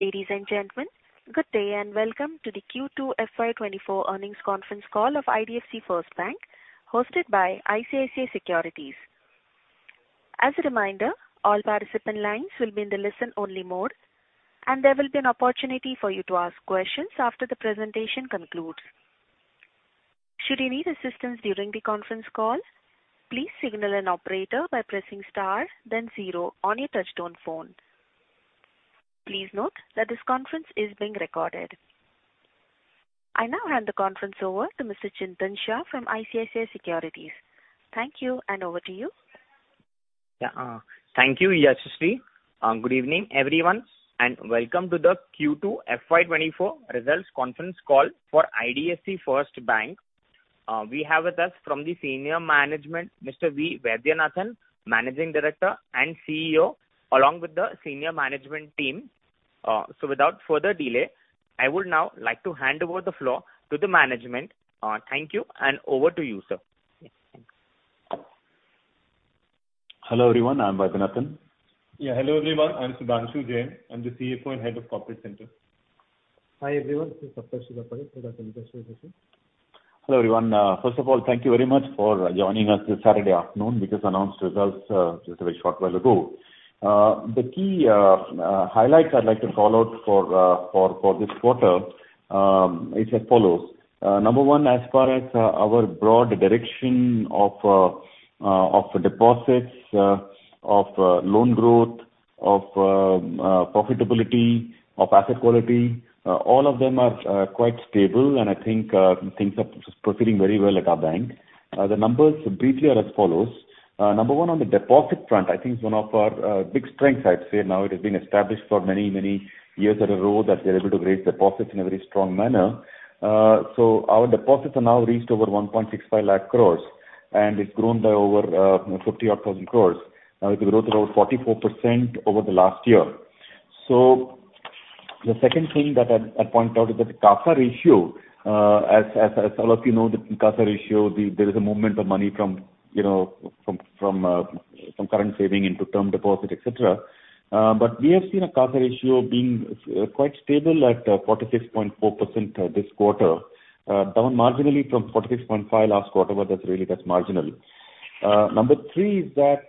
Ladies and gentlemen, good day, and welcome to the Q2 FY 2024 earnings conference call of IDFC FIRST Bank, hosted by ICICI Securities. As a reminder, all participant lines will be in the listen-only mode, and there will be an opportunity for you to ask questions after the presentation concludes. Should you need assistance during the conference call, please signal an operator by pressing star then zero on your touchtone phone. Please note that this conference is being recorded. I now hand the conference over to Mr. Chintan Shah from ICICI Securities. Thank you, and over to you. Yeah, thank you, Yashaswi. Good evening, everyone, and welcome to the Q2 FY 2024 results conference call for IDFC FIRST Bank. We have with us from the senior management, Mr. V. Vaidyanathan, Managing Director and CEO, along with the senior management team. Without further delay, I would now like to hand over the floor to the management. Thank you, and over to you, sir. Hello, everyone, I'm Vaidyanathan. Yeah, hello, everyone, I'm Sudhanshu Jain. I'm the CFO and Head of Corporate Center. Hi, everyone, this is Saptarshi Bapari, Head of Investor Relations. Hello, everyone. First of all, thank you very much for joining us this Saturday afternoon. We just announced results just a very short while ago. The key highlights I'd like to call out for this quarter is as follows: Number one, as far as our broad direction of deposits, loan growth, profitability, asset quality, all of them are quite stable, and I think things are proceeding very well at our bank. The numbers briefly are as follows: Number one, on the deposit front, I think it's one of our big strengths I'd say now. It has been established for many, many years in a row that we're able to raise deposits in a very strong manner. So our deposits have now reached over 165,000 crore, and it's grown by over 50,000-odd crore. Now, it grew at around 44% over the last year. So, the second thing that I'd point out is that the CASA ratio, as all of you know, the CASA ratio, there is a movement of money from, you know, from current saving into term deposit, et cetera. But we have seen a CASA ratio being quite stable at 46.4% this quarter, down marginally from 46.5% last quarter, but that's really, that's marginal. Number three is that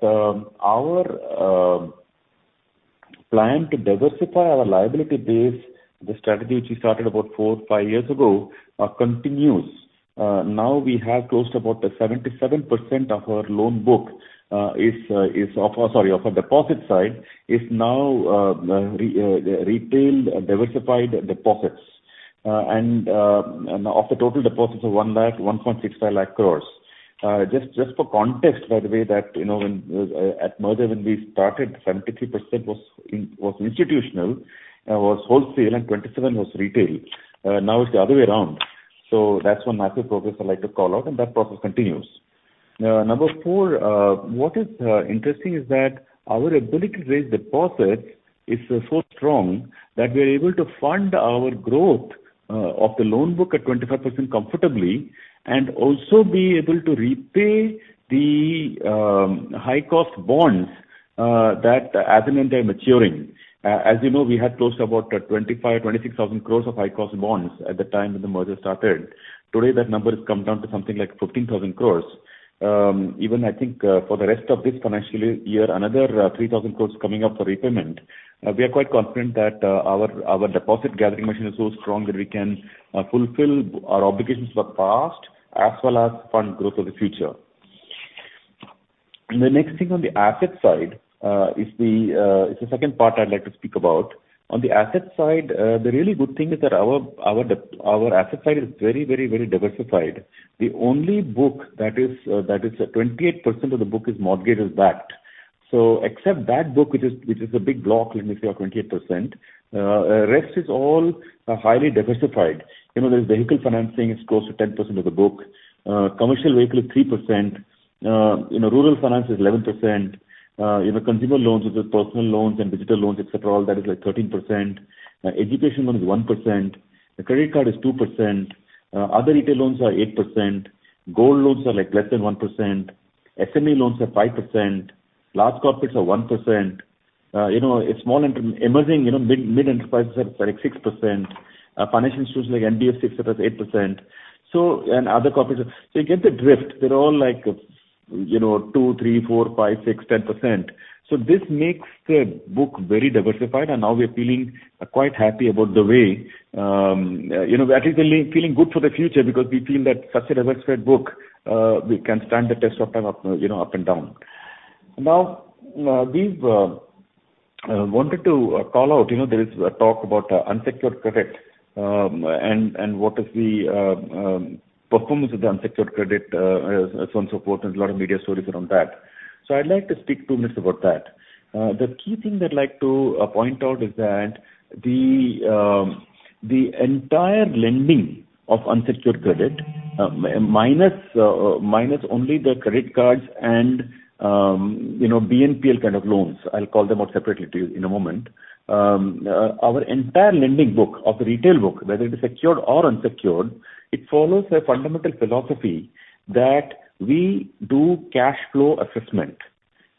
our plan to diversify our liability base, the strategy which we started about four to five years ago, continues. Now we have close to about 77% of our loan book, is of our... Sorry, of our deposit side, is now retailed diversified deposits. And, of the total deposits of 1.65 lakh crore. Just for context, by the way, that, you know, when, at merger when we started, 73% was institutional, was wholesale, and 27% was retail. Now it's the other way around. That's one massive progress I'd like to call out, and that process continues. What is interesting is that our ability to raise deposits is so strong that we are able to fund our growth of the loan book at 25% comfortably, and also be able to repay the high-cost bonds as and when they're maturing. As you know, we had close to about 25,000- 26,000 crore of high-cost bonds at the time when the merger started. Today, that number has come down to something like 15,000 crore. Even I think for the rest of this financial year, another 3,000 crore coming up for repayment. We are quite confident that our deposit-gathering machine is so strong that we can fulfill our obligations for the past as well as fund growth of the future. The next thing on the asset side is the second part I'd like to speak about. On the asset side, the really good thing is that our asset side is very, very, very diversified. The only book that is 28% of the book is mortgage-backed. So except that book, which is a big block, let me say, of 28%, rest is all highly diversified. You know, there's vehicle financing is close to 10% of the book. Commercial vehicle is 3%, you know, rural finance is 11%, you know, consumer loans such as personal loans and digital loans, et cetera, all that is, like, 13%. Education loan is 1%, the credit card is 2%, other retail loans are 8%, gold loans are, like, less than 1%, SME loans are 5%, large corporates are 1%. You know, it's small enterprise emerging, you know, mid-enterprises are, like, 6%. Financial institutions like NBFC, 6%, that's 8%. So, and other corporates, so you get the drift. They're all, like, you know, 2%, 3%, 4%, 5%, 6%aa, 10%. So this makes the book very diversified, and now we are feeling quite happy about the way, you know, we are feeling, feeling good for the future because we feel that such a diversified book, we can stand the test of time up, you know, up and down. Now, we've wanted to call out, you know, there is a talk about unsecured credit, and what is the performance of the unsecured credit, as on so forth, and a lot of media stories are on that. So I'd like to speak two minutes about that. The key thing I'd like to point out is that the entire lending of unsecured credit, minus only the credit cards and, you know, BNPL kind of loans, I'll call them out separately to you in a moment. Our entire lending book of the retail book, whether it is secured or unsecured, it follows a fundamental philosophy that we do cash flow assessment.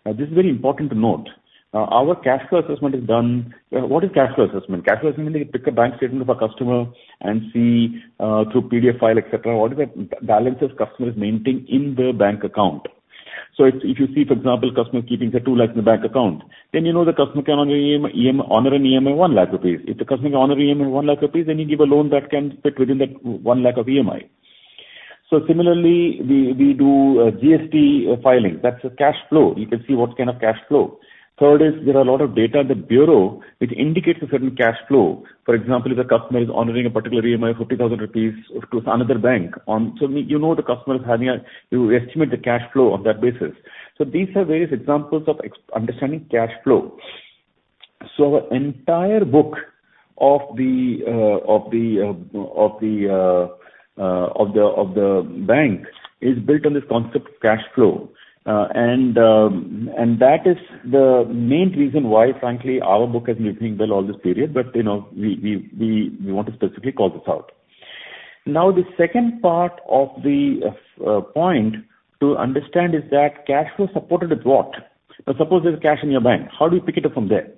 This is very important to note. Our cash flow assessment is done. What is cash flow assessment? Cash flow assessment means we pick a bank statement of our customer and see, you know, through PDF file, et cetera, what is the balances customer is maintaining in their bank account. If you see, for example, customer is keeping, say, 200,000 in the bank account, then you know the customer can only honor an EMI 100,000 rupees. If the customer can honor EMI 100,000 rupees, then you give a loan that can fit within that 100,000 of EMI. Similarly, we do GST filing. That's a cash flow. You can see what kind of cash flow. Third is there are a lot of data in the bureau which indicates a certain cash flow. For example, if a customer is honoring a particular EMI of 50,000 rupees with another bank on... So you know the customer is having you estimate the cash flow on that basis. So these are various examples of understanding cash flow. So our entire book of the bank is built on this concept of cash flow. And that is the main reason why, frankly, our book has been doing well all this period. But, you know, we want to specifically call this out. Now, the second part of the point to understand is that cash flow supported with what? Now, suppose there's cash in your bank, how do you pick it up from there?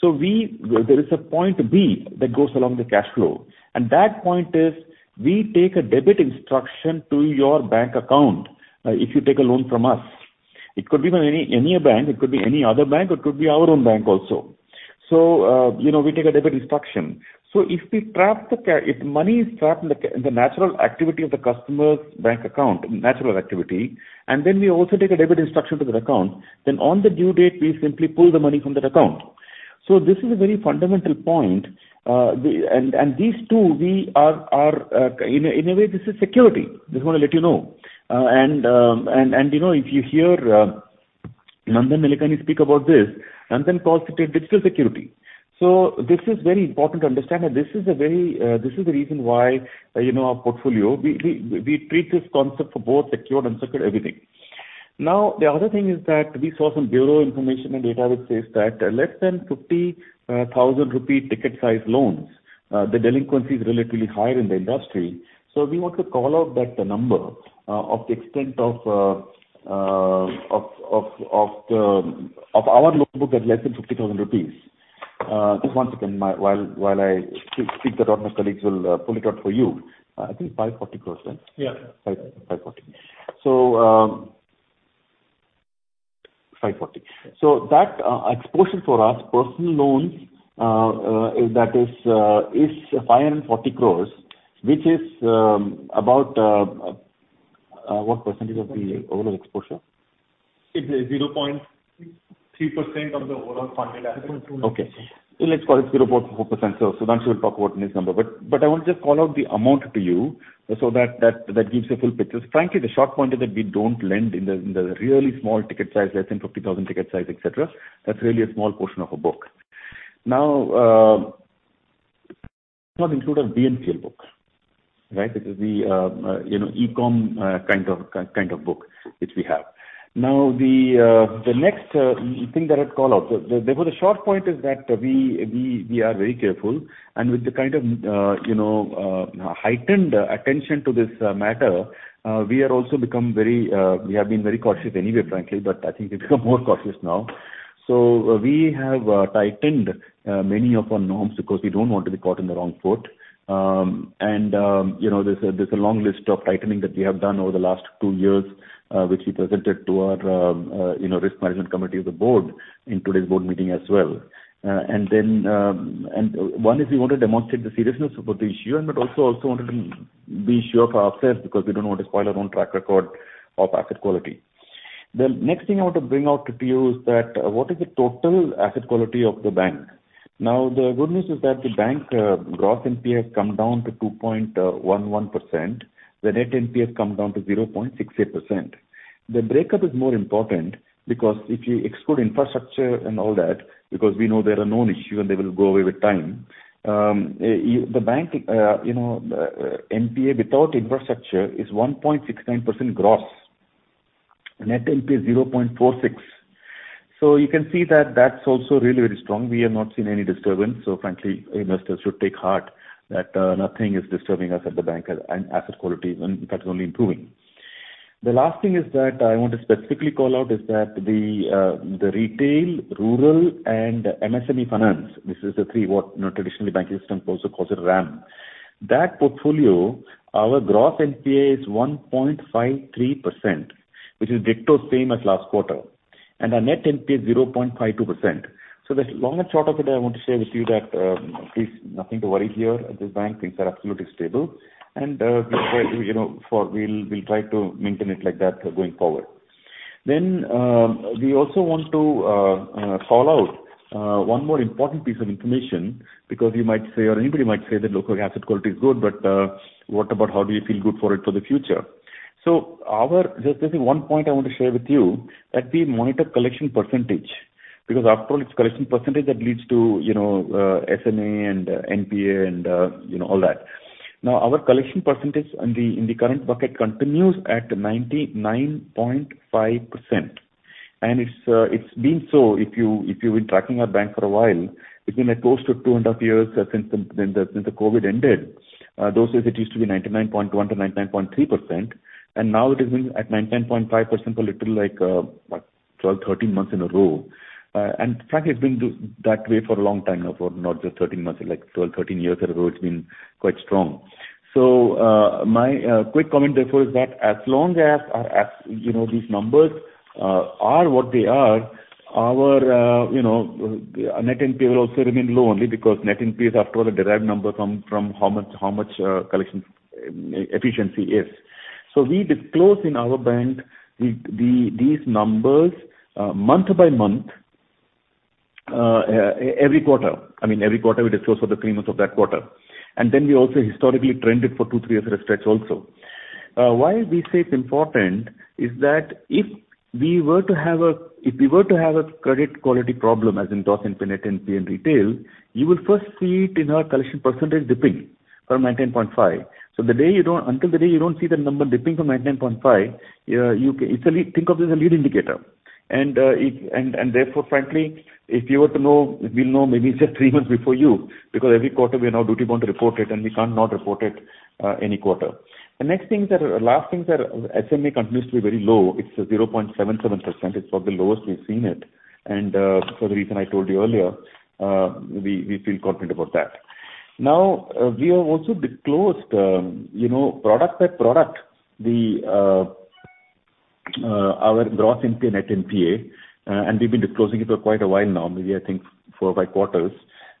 So there is a point B that goes along the cash flow, and that point is we take a debit instruction to your bank account, if you take a loan from us. It could be from any, any bank, it could be any other bank, it could be our own bank also. So, you know, we take a debit instruction. So if money is trapped in the natural activity of the customer's bank account, natural activity, and then we also take a debit instruction to that account, then on the due date, we simply pull the money from that account. So this is a very fundamental point. And these two, we are in a way, this is security. Just want to let you know. You know, if you hear Nandan Nilekani speak about this, Nandan calls it a digital security. So this is very important to understand, and this is a very, this is the reason why, you know, our portfolio, we treat this concept for both secured and unsecured, everything. Now, the other thing is that we saw some bureau information and data which says that, less than 50,000 rupee ticket size loans, the delinquency is relatively higher in the industry. So we want to call out that the number, of the extent of, of our loan book at less than 50,000 rupees. Just one second, while I speak that out, my colleagues will pull it out for you. I think 5.40%. Yeah. Five, five forty. Five forty. That exposure for us, personal loans, is, that is, is 540 crore, which is about, what percentage of the overall exposure? It's 0.3% of the overall funded assets. Okay. Let's call it 0.4%. Sudhanshu will talk about this number. I want to just call out the amount to you so that gives you a full picture. Frankly, the short point is that we don't lend in the really small ticket size, less than 50,000 ticket size, et cetera. That's really a small portion of our book. Now, does not include our BNPL book, right? It is the, you know, e-com, kind of, kind of book which we have. Now, the next thing that I'd call out, the short point is that we are very careful, and with the kind of, you know, heightened attention to this matter, we have also become very, we have been very cautious anyway, frankly, but I think we've become more cautious now. We have tightened many of our norms because we don't want to be caught on the wrong foot. You know, there's a long list of tightening that we have done over the last two years, which we presented to our risk management committee of the board in today's board meeting as well. And then, and one is we want to demonstrate the seriousness about the issue, and, but also, also wanted to be sure for ourselves, because we don't want to spoil our own track record of asset quality. The next thing I want to bring out to you is that, what is the total asset quality of the bank? Now, the good news is that the bank, gross NPA has come down to 2.11%. The net NPA has come down to 0.68%. The breakup is more important because if you exclude infrastructure and all that, because we know they're a known issue and they will go away with time, the bank, you know, NPA without infrastructure is 1.69% gross. Net NPA, 0.46%. So you can see that that's also really very strong. We have not seen any disturbance, so frankly, investors should take heart that nothing is disturbing us at the bank, and asset quality, and that's only improving. The last thing is that I want to specifically call out is that the retail, rural, and MSME finance, this is the three what, you know, traditionally banking system also calls it RAM. That portfolio, our gross NPA is 1.53%, which is ditto same as last quarter, and our net NPA is 0.52%. So the long and short of it, I want to share with you that please, nothing to worry here at this bank. Things are absolutely stable and, you know, we'll, we'll try to maintain it like that going forward. Then, we also want to call out one more important piece of information, because you might say, or anybody might say that, "Okay, asset quality is good, but what about how do you feel good for it for the future?" So our... There's one point I want to share with you, that we monitor collection percentage, because after all, it's collection percentage that leads to, you know, SMA and NPA and, you know, all that. Now, our collection percentage in the current bucket continues at 99.5%, and it's been so, if you've been tracking our bank for a while, it's been close to two and a half years since the COVID ended. Those days it used to be 99.1%-99.3%, and now it is being at 99.5% for little like, what? 12, 13 months in a row. And frankly, it's been that way for a long time now, for not just 13 months, like 12, 13 years in a row, it's been quite strong. So, my quick comment therefore is that as long as or as, you know, these numbers are what they are, our, you know, Net NPA will also remain low, only because Net NPA is after all a derived number from how much collection efficiency is. So we disclose in our bank these numbers month by month every quarter. I mean, every quarter we disclose for the three months of that quarter, and then we also historically trend it for two, three years stretch also. I mean, why we say it's important is that if we were to have a, if we were to have a credit quality problem, as in gross and net NPA in retail, you will first see it in our collection percentage dipping from 90.5. The day you don't—until the day you don't see the number dipping from 91.5, you ca- it's a lead, think of it as a lead indicator. I mean, it, and, and therefore, frankly, if you were to know, we'll know maybe just three months before you, because every quarter we are now duty-bound to report it, and we can't not report it, any quarter. The last thing that SME continues to be very low, it's 0.77%. It's probably the lowest we've seen it, and, for the reason I told you earlier, we, we feel confident about that. Now, we have also disclosed, you know, product by product, the, our gross NPA, net NPA, and we've been disclosing it for quite a while now, maybe I think four or five quarters,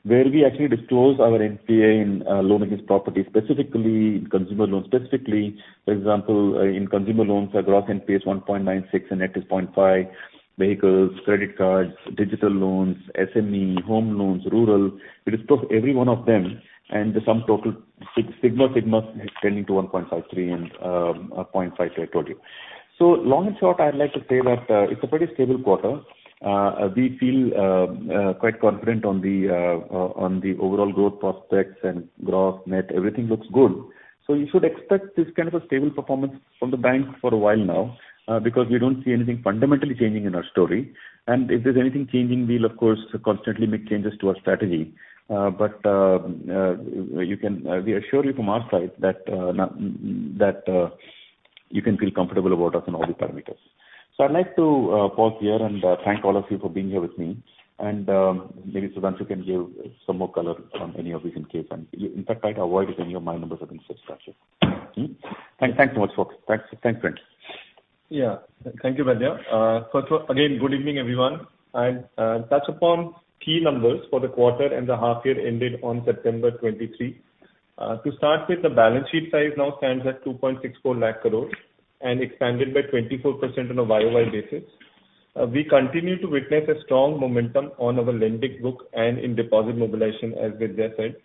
where we actually disclose our NPA in, loan against property, specifically in consumer loans. Specifically, for example, in consumer loans, our gross NPA is 1.96% and net is 0.5%. Vehicles, credit cards, digital loans, SME, home loans, rural, we disclose every one of them, and the sum total, sigma, sigma is tending to 1.53 and 0.5, I told you. So long and short, I'd like to say that it's a pretty stable quarter. We feel quite confident on the overall growth prospects and gross net, everything looks good. So you should expect this kind of a stable performance from the bank for a while now, because we don't see anything fundamentally changing in our story. And if there's anything changing, we'll of course constantly make changes to our strategy. But you can, we assure you from our side that you can feel comfortable about us on all the parameters. So I'd like to pause here and thank all of you for being here with me. And maybe Sudhanshu can give some more color on any of these in case, and in fact, try to avoid it any of my numbers have been said, gotcha. Mm-hmm. Thank, thanks so much, folks. Thanks, thanks, Sudhanshu. Yeah. Thank you, Vaidya. First of all, again, good evening, everyone. I'll touch upon key numbers for the quarter and the half year ended on September 2023. To start with, the balance sheet size now stands at 264,000 crore and expanded by 24% on a YOY basis. We continue to witness a strong momentum on our lending book and in deposit mobilization, as Vaidya said.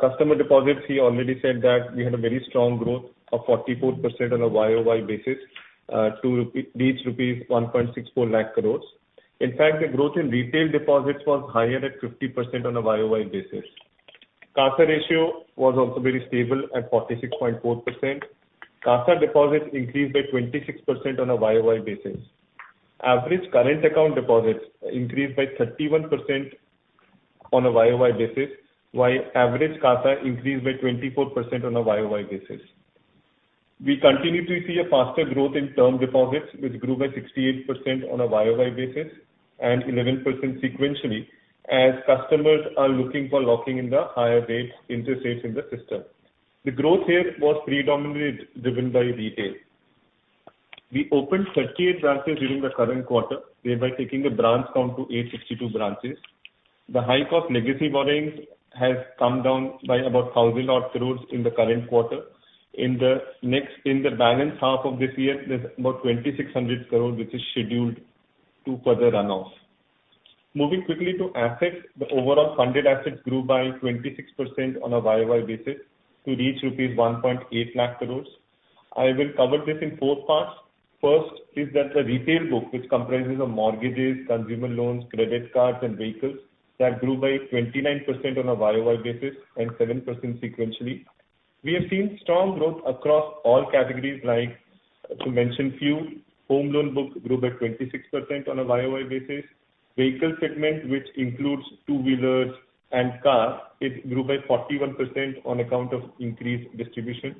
Customer deposits, he already said that we had a very strong growth of 44% on a YOY basis, to reach rupees 164,000 crore. In fact, the growth in retail deposits was higher at 50% on a YOY basis. CASA ratio was also very stable at 46.4%. CASA deposits increased by 26% on a YOY basis. Average current account deposits increased by 31% on a year-over-year basis, while average CASA increased by 24% on a year-over-year basis. We continue to see a faster growth in term deposits, which grew by 68% on a year-over-year basis and 11% sequentially, as customers are looking for locking in the higher rates, interest rates in the system. The growth here was predominantly driven by retail. We opened 38 branches during the current quarter, thereby taking the branch count to 862 branches. The high cost legacy borrowings has come down by about 1,000 crore in the current quarter. In the balance half of this year, there's about 2,600 crore, which is scheduled to further run off. Moving quickly to assets, the overall funded assets grew by 26% on a year-over-year basis to reach rupees 1.8 lakh crore. I will cover this in four parts. First, is that the retail book, which comprises of mortgages, consumer loans, credit cards, and vehicles, that grew by 29% on a YOY basis and 7% sequentially. We have seen strong growth across all categories, like, to mention few: home loan book grew by 26% on a YOY basis. Vehicle segment, which includes two-wheelers and cars, it grew by 41% on account of increased distribution.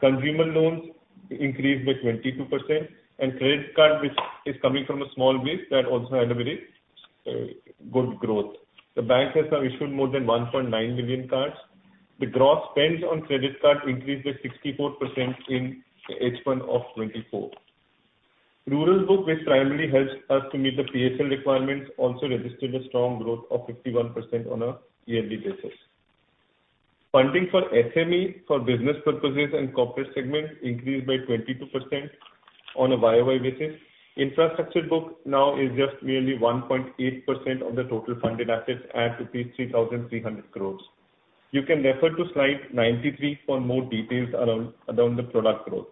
Consumer loans increased by 22%, and credit card, which is coming from a small base, that also had a very, good growth. The bank has now issued more than 1.9 million cards. The gross spends on credit card increased by 64% in H1 of 2024. Rural book, which primarily helps us to meet the PSL requirements, also registered a strong growth of 51% on a yearly basis. Funding for SME, for business purposes and corporate segment increased by 22% on a YOY basis. Infrastructure book now is just merely 1.8% of the total funded assets at 3,300 crore. You can refer to slide 93 for more details around the product growth.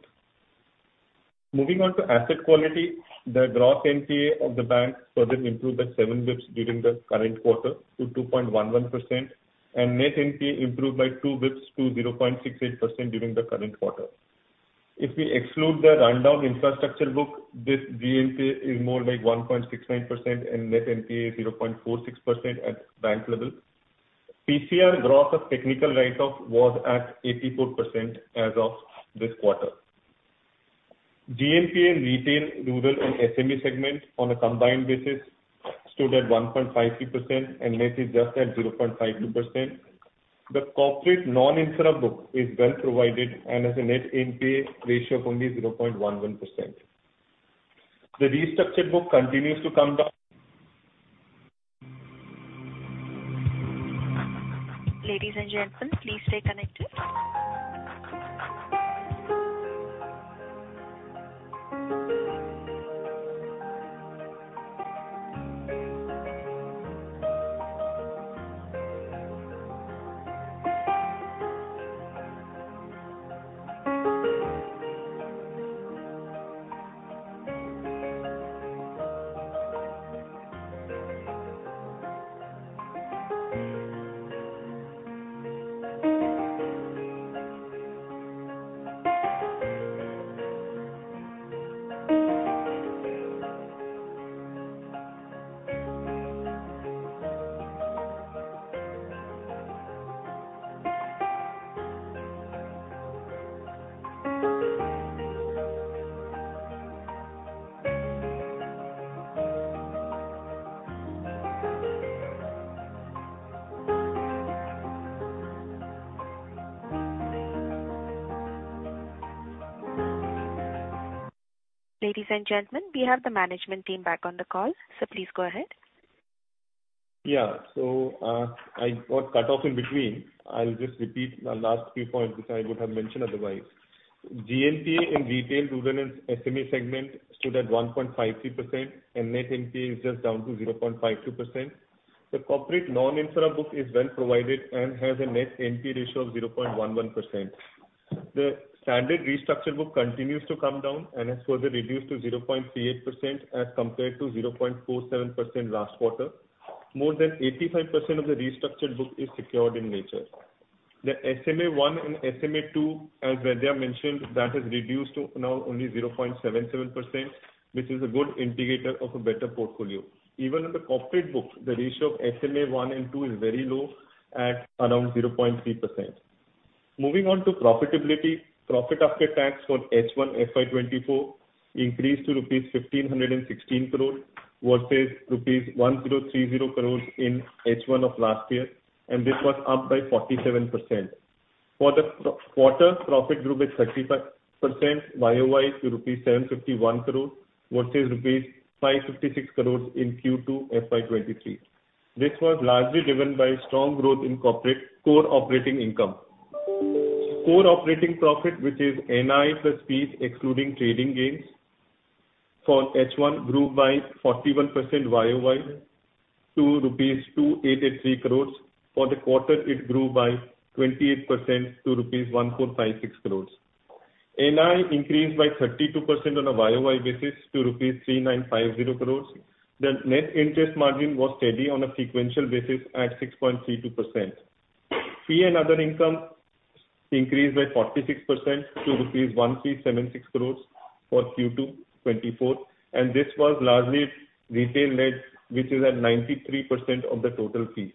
Moving on to asset quality, the gross NPA of the bank further improved by seven basis points during the current quarter to 2.11%, and net NPA improved by two basis points to 0.68% during the current quarter. If we exclude the rundown infrastructure book, this GNPA is more like 1.69% and net NPA 0.46% at bank level. PCR gross of technical write-off was at 84% as of this quarter. GNPA in retail, rural and SME segment on a combined basis stood at 1.53% and net is just at 0.52%. The corporate non-insurer book is well provided and has a net NPA ratio of only 0.11%. The restructured book continues to come down- Ladies and gentlemen, please stay connected. Ladies and gentlemen, we have the management team back on the call, so please go ahead. Yeah. So, I got cut off in between. I'll just repeat my last few points, which I would have mentioned otherwise. GNPA in retail, rural and SME segment stood at 1.53%, and net NPA is just down to 0.52%. The corporate non-insurer book is well provided and has a net NPA ratio of 0.11%. The standard restructured book continues to come down and has further reduced to 0.38% as compared to 0.47% last quarter. More than 85% of the restructured book is secured in nature. The SMA-1 and SMA-2, as Vaidya mentioned, that has reduced to now only 0.77%, which is a good indicator of a better portfolio. Even in the corporate book, the ratio of SMA-1 and 2 is very low at around 0.3%. Moving on to profitability. Profit after tax for H1 FY24 increased to rupees 1,516 crore, versus rupees 1,030 crore in H1 of last year, and this was up by 47%. For the quarter, profit grew by 35% YOY to rupees 751 crore, versus rupees 556 crore in Q2 FY23. This was largely driven by strong growth in corporate core operating income. Core operating profit, which is NII plus fees, excluding trading gains, for H1 grew by 41% YOY to 2,883 crore rupees. For the quarter, it grew by 28% to 1,456 crore rupees. NII increased by 32% on a YOY basis to 3,950 crore rupees. The net interest margin was steady on a sequential basis at 6.32%. Fee and other income increased by 46% to rupees 1,376 crore for Q2 2024, and this was largely retail-led, which is at 93% of the total fee.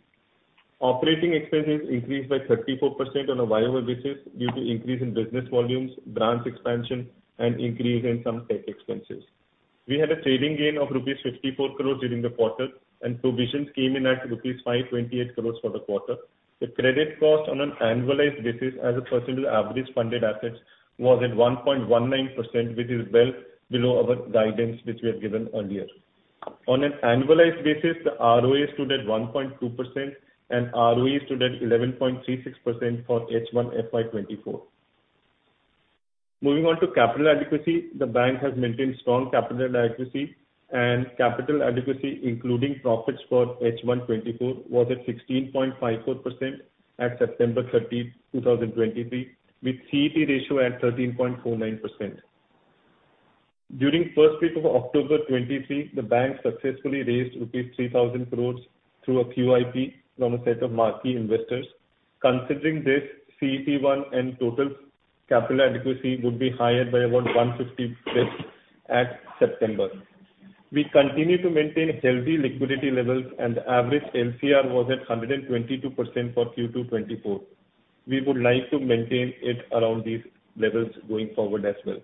Operating expenses increased by 34% on a YOY basis due to increase in business volumes, branch expansion and increase in some tech expenses. We had a trading gain of rupees 54 crore during the quarter, and provisions came in at rupees 528 crore for the quarter. The credit cost on an annualized basis as a percent of average funded assets, was at 1.19%, which is well below our guidance, which we had given earlier. On an annualized basis, the ROA stood at 1.2% and ROE stood at 11.36% for H1 FY 2024. Moving on to capital adequacy. The bank has maintained strong capital adequacy, and capital adequacy, including profits for H1 2024, was at 16.54% at September 30, 2023, with CET1 ratio at 13.49%. During first week of October 2023, the bank successfully raised rupees 3,000 crore through a QIP from a set of marquee investors. Considering this, CET1 and total capital adequacy would be higher by about 150 basis points at September. We continue to maintain healthy liquidity levels, and average LCR was at 122% for Q2 2024. We would like to maintain it around these levels going forward as well.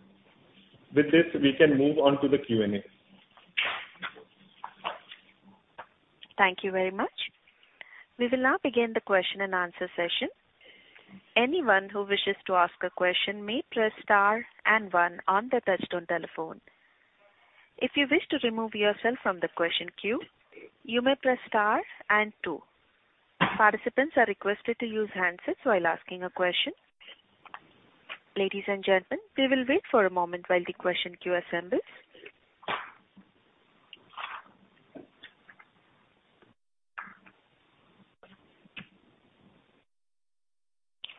With this, we can move on to the Q&A. Thank you very much. We will now begin the question and answer session. Anyone who wishes to ask a question may press star and one on the touch-tone telephone. If you wish to remove yourself from the question queue, you may press star and two. Participants are requested to use handsets while asking a question. Ladies and gentlemen, we will wait for a moment while the question queue assembles.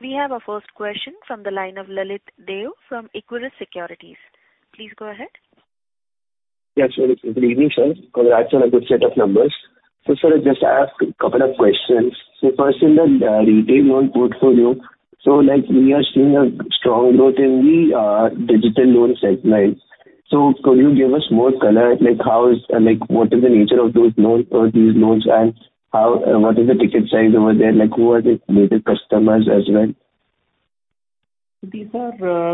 We have our first question from the line of Lalit Deo from Equirus Securities. Please go ahead. ... Yes, good evening, sir. Congrats on a good set of numbers. So sir, I just ask a couple of questions. So first, in the retail loan portfolio, so like we are seeing a strong growth in the digital loan segment. So could you give us more color? Like, how is, like, what is the nature of those loans or these loans, and how, what is the ticket size over there? Like, who are the major customers as well? These are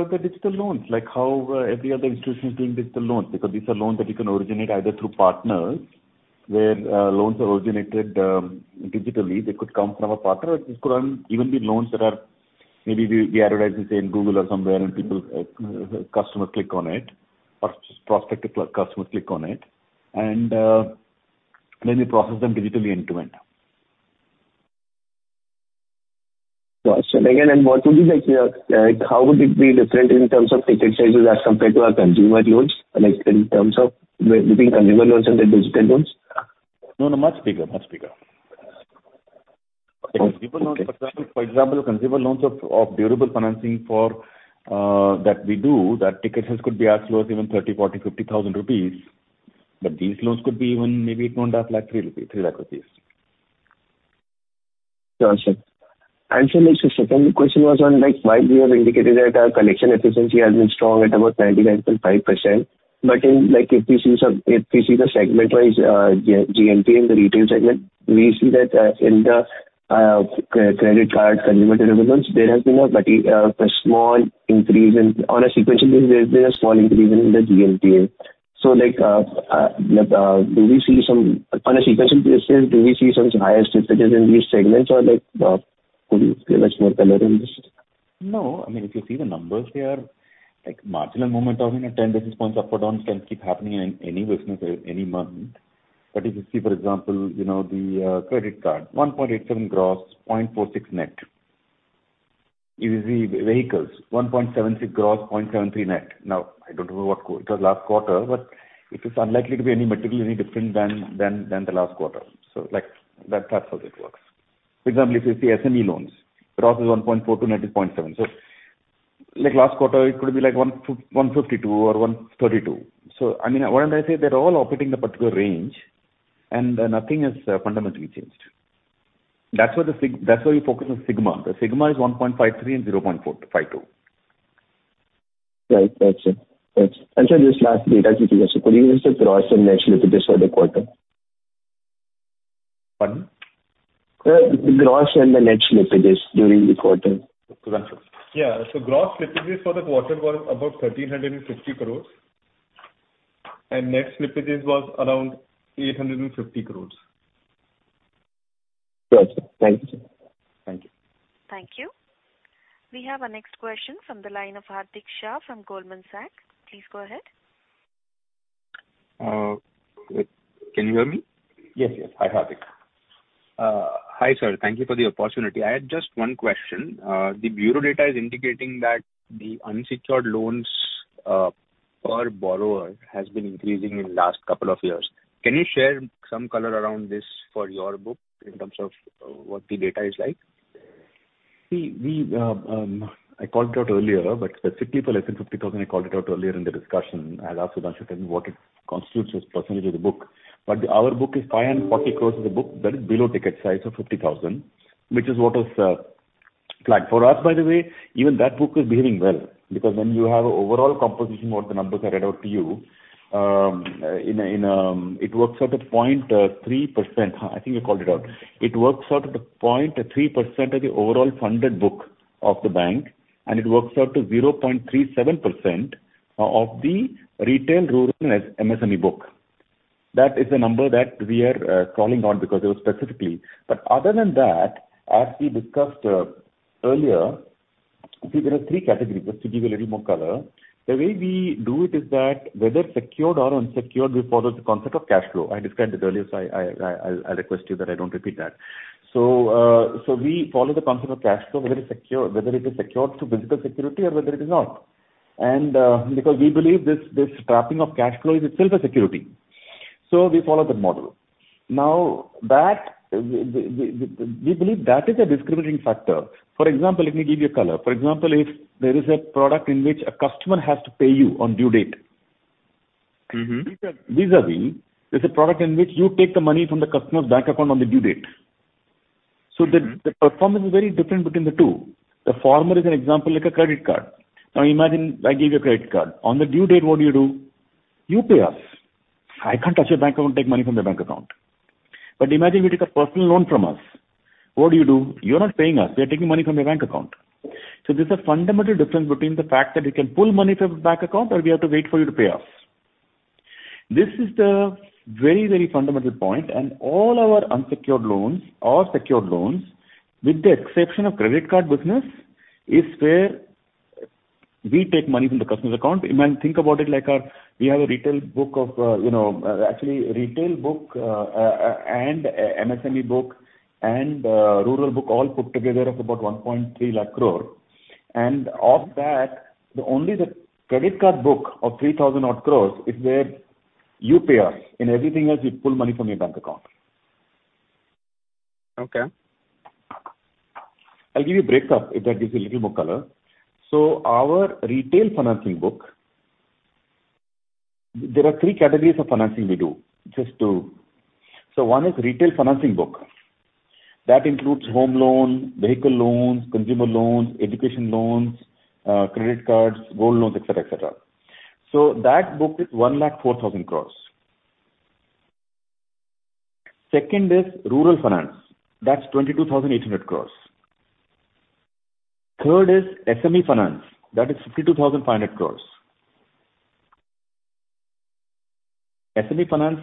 the digital loans, like how every other institution is doing digital loans, because these are loans that you can originate either through partners, where loans are originated digitally. They could come from a partner. This could even be loans that are maybe we advertise, let's say, in Google or somewhere, and people, customers click on it, or prospective customers click on it, and then we process them digitally end-to-end. Got you. And what would be like, like how would it be different in terms of ticket sizes as compared to our consumer loans? Like, in terms of between consumer loans and the digital loans? No, no, much bigger, much bigger. Okay. For example, consumer loans of, of durable financing for, that we do, that ticket sales could be as low as even 30,000-50,000 rupees, but these loans could be even maybe 150,000, 300,000. Got you. And so the second question was on like, why we have indicated that our collection efficiency has been strong at about 99.5%. But in, like, if we see the segment-wise GNPA in the retail segment, we see that in the credit card, consumer durables, there has been a small increase in, on a sequential basis, there's been a small increase in the GNPA. So, like, like, do we see some... On a sequential basis, do we see some higher slippages in these segments, or, like, could you give us more color in this? No. I mean, if you see the numbers, they are like marginal movement of in a 10 basis points up or down, can keep happening in any business or any month. But if you see, for example, you know, the credit card, 1.87 gross, 0.46 net. If you see vehicles, 1.76 gross, 0.73 net. Now, I don't know what it was last quarter, but it is unlikely to be any materially, any different than the last quarter. So, like, that's how it works. For example, if you see SME loans, gross is 1.42 net is 0.7. So, like, last quarter, it could be like 1.52 or 1.32. So I mean, why don't I say they're all operating in the particular range, and nothing has fundamentally changed. That's why you focus on sigma. The sigma is 1.53 and 0.4252. Right. Got you. Got you. And so this last data, could you just, could you give us the gross and net slippages for the quarter? Pardon? The gross and the net slippages during the quarter. Yeah. So gross slippages for the quarter was about 1,350 crore, and net slippages was around 850 crore. Got you. Thank you, sir. Thank you. Thank you. We have our next question from the line of Hardik Shah from Goldman Sachs. Please go ahead. Can you hear me? Yes, yes. Hi, Hardik. Hi, sir. Thank you for the opportunity. I had just one question. The bureau data is indicating that the unsecured loans per borrower has been increasing in last couple of years. Can you share some color around this for your book, in terms of what the data is like? See, we, I called it out earlier, but specifically for less than 50,000, I called it out earlier in the discussion. I'd asked Sudhanshu what it constitutes as percentage of the book. Our book is 540 crore is a book that is below ticket size of 50,000, which is what was flagged. For us, by the way, even that book is behaving well, because when you have an overall composition, what the numbers I read out to you, it works out at 0.3%. I think I called it out. It works out to 0.3% of the overall funded book of the bank, and it works out to 0.37% of the retail rural and MSME book. That is a number that we are calling on because it was specifically. But other than that, as we discussed earlier, there are three categories, just to give you a little more color. The way we do it is that whether secured or unsecured, we follow the concept of cash flow. I described it earlier, so I request you that I don't repeat that. So, so we follow the concept of cash flow, whether it's secure, whether it is secured through physical security or whether it is not. And, because we believe this, this trapping of cash flow is itself a security. So we follow that model. Now, that, we believe that is a discriminating factor. For example, let me give you a color. For example, if there is a product in which a customer has to pay you on due date. Mm-hmm. Vis-a-vis, there's a product in which you take the money from the customer's bank account on the due date. The performance is very different between the two. The former is an example, like a credit card. Now, imagine I give you a credit card. On the due date, what do you do? You pay us. I can't touch your bank account and take money from your bank account. Imagine you take a personal loan from us. What do you do? You're not paying us. We are taking money from your bank account. There's a fundamental difference between the fact that we can pull money from a bank account, or we have to wait for you to pay us. This is the very, very fundamental point, and all our unsecured loans or secured loans, with the exception of credit card business, is where we take money from the customer's account. I mean, think about it like, we have a retail book of, you know, actually, retail book, and MSME book, and rural book all put together of about 1.3 lakh crore. Of that, the only, the credit card book of 3,000 odd crore is where you pay us. In everything else, we pull money from your bank account. Okay. I'll give you a break up if that gives you a little more color. Our retail financing book, there are three categories of financing we do. Just to, one is retail financing book. That includes home loan, vehicle loans, consumer loans, education loans, credit cards, gold loans, et cetera, et cetera. So that book is 104,000 crore. Second is rural finance. That's 22,800 crore. Third is SME finance. That is 52,500 crore. SME finance,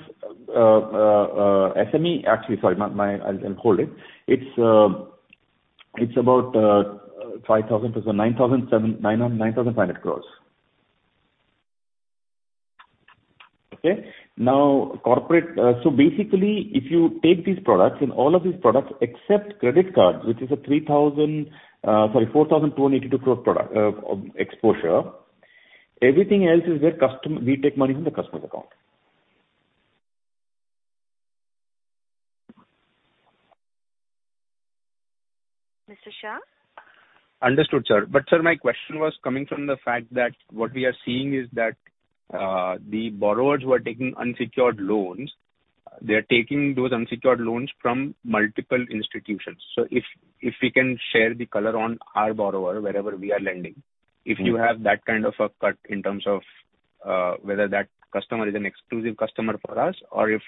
actually, sorry, my, my... I'll, I'll hold it. It's about 5,000 plus INR 9,500 crore. Okay? Now, corporate, so basically, if you take these products, in all of these products except credit cards, which is a 3,000, sorry, 4,282 crore product, exposure, everything else is where customer- we take money from the customer's account. Mr. Shah? Understood, sir. But sir, my question was coming from the fact that what we are seeing is that, the borrowers who are taking unsecured loans, they are taking those unsecured loans from multiple institutions. So if, if we can share the color on our borrower, wherever we are lending- Mm. If you have that kind of a cut in terms of whether that customer is an exclusive customer for us, or if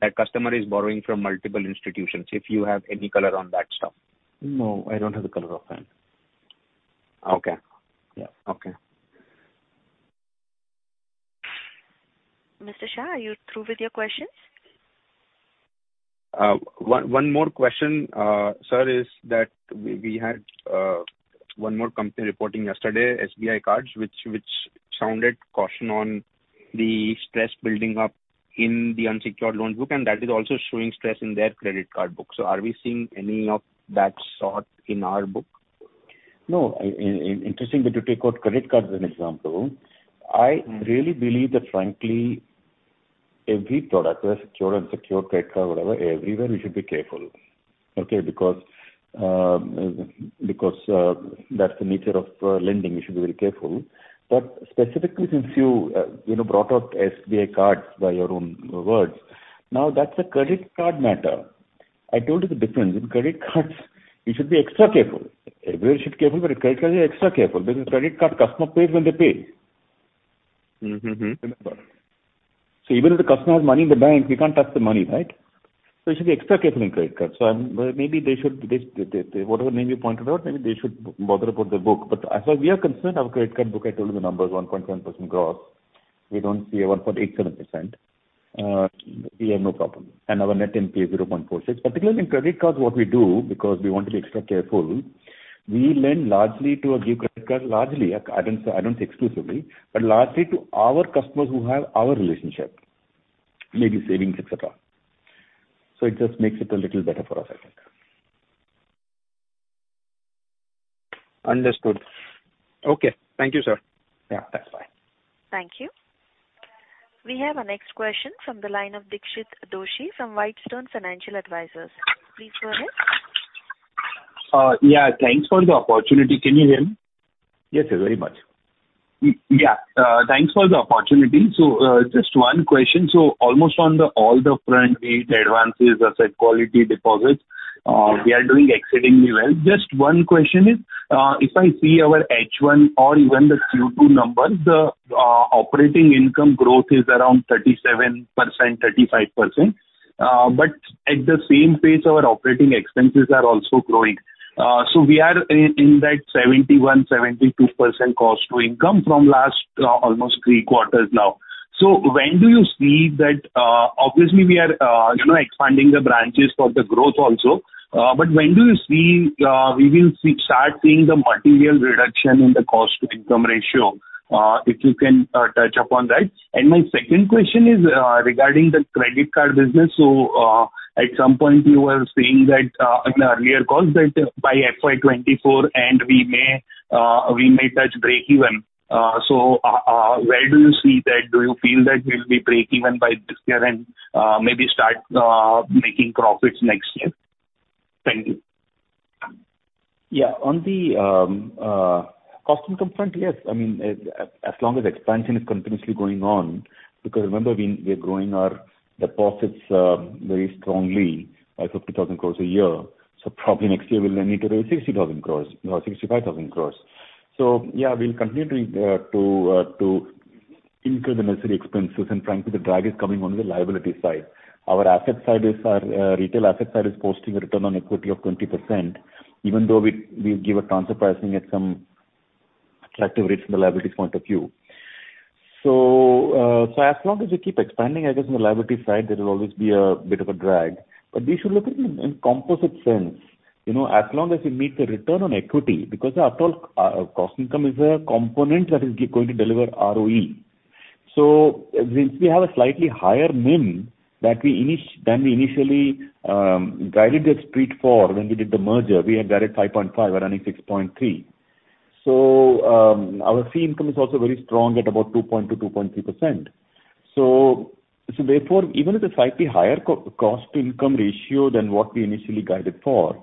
that customer is borrowing from multiple institutions, if you have any color on that stuff. No, I don't have the color on that. Okay. Yeah. Okay. Mr. Shah, are you through with your questions? One more question, sir, is that we had one more company reporting yesterday, SBI Cards, which sounded caution on the stress building up in the unsecured loan book, and that is also showing stress in their credit card book. So are we seeing any of that sort in our book? No, interestingly, to take out credit cards as an example, I- Mm. really believe that frankly, every product, whether secured, unsecured, credit card, whatever, everywhere we should be careful, okay? Because that's the nature of lending, we should be very careful. But specifically, since you, you know, brought up SBI Cards, by your own words, now, that's a credit card matter. I told you the difference. In credit cards, you should be extra careful. Everywhere you should careful, but in credit cards, you should be extra careful, because credit card customer pays when they pay. Mm-hmm, mm-hmm. So even if the customer has money in the bank, we can't touch the money, right? So you should be extra careful in credit cards. So I'm, well, maybe they should, they, whatever name you pointed out, maybe they should bother about their book. But as far as we are concerned, our credit card book, I told you the number, is 1.7% growth. We don't see a 1.87%. We have no problem. And our Net NPA is 0.46. Particularly in credit cards, what we do, because we want to be extra careful, we lend largely to give credit cards largely, I don't exclusively, but largely to our customers who have our relationship, maybe savings, et cetera. So it just makes it a little better for us, I think. Understood. Okay. Thank you, sir. Yeah, that's fine. Thank you. We have our next question from the line of Dixit Doshi from Whitestone Financial Advisors. Please go ahead. Yeah, thanks for the opportunity. Can you hear me? Yes, sir, very much. Yeah, thanks for the opportunity. So, just one question: so almost on all the fronts, the advances, the asset quality, deposits, we are doing exceedingly well. Just one question is, if I see our H1 or even the Q2 numbers, the operating income growth is around 37%, 35%. But at the same pace, our operating expenses are also growing. So we are in that 71%-72% cost to income from last almost three quarters now. So when do you see that... Obviously we are, you know, expanding the branches for the growth also, but when do you see we will see, start seeing the material reduction in the cost to income ratio? If you can touch upon that. And my second question is regarding the credit card business. At some point you were saying that in earlier calls that by FY 2024 end we may touch breakeven. So, where do you see that? Do you feel that we'll be breakeven by this year and maybe start making profits next year? Thank you. Yeah. On the cost income front, yes. I mean, as long as expansion is continuously going on, because remember, we are growing our deposits very strongly, by 50,000 crore a year. So probably next year we'll need to raise 60,000 crore or 65,000 crore. So yeah, we'll continue to incur the necessary expenses, and frankly, the drag is coming on the liability side. Our asset side is our retail asset side is posting a return on equity of 20%, even though we give a transfer pricing at some attractive rates from the liability point of view. So, so as long as we keep expanding, I guess, on the liability side, there will always be a bit of a drag. But we should look at it in composite sense, you know, as long as you meet the return on equity, because after all, cost income is a component that is going to deliver ROE. So since we have a slightly higher NIM than we initially guided the street for when we did the merger, we had guided 5.5, we're running 6.3. So our fee income is also very strong at about 2.2%-2.3%. So therefore, even with a slightly higher cost income ratio than what we initially guided for,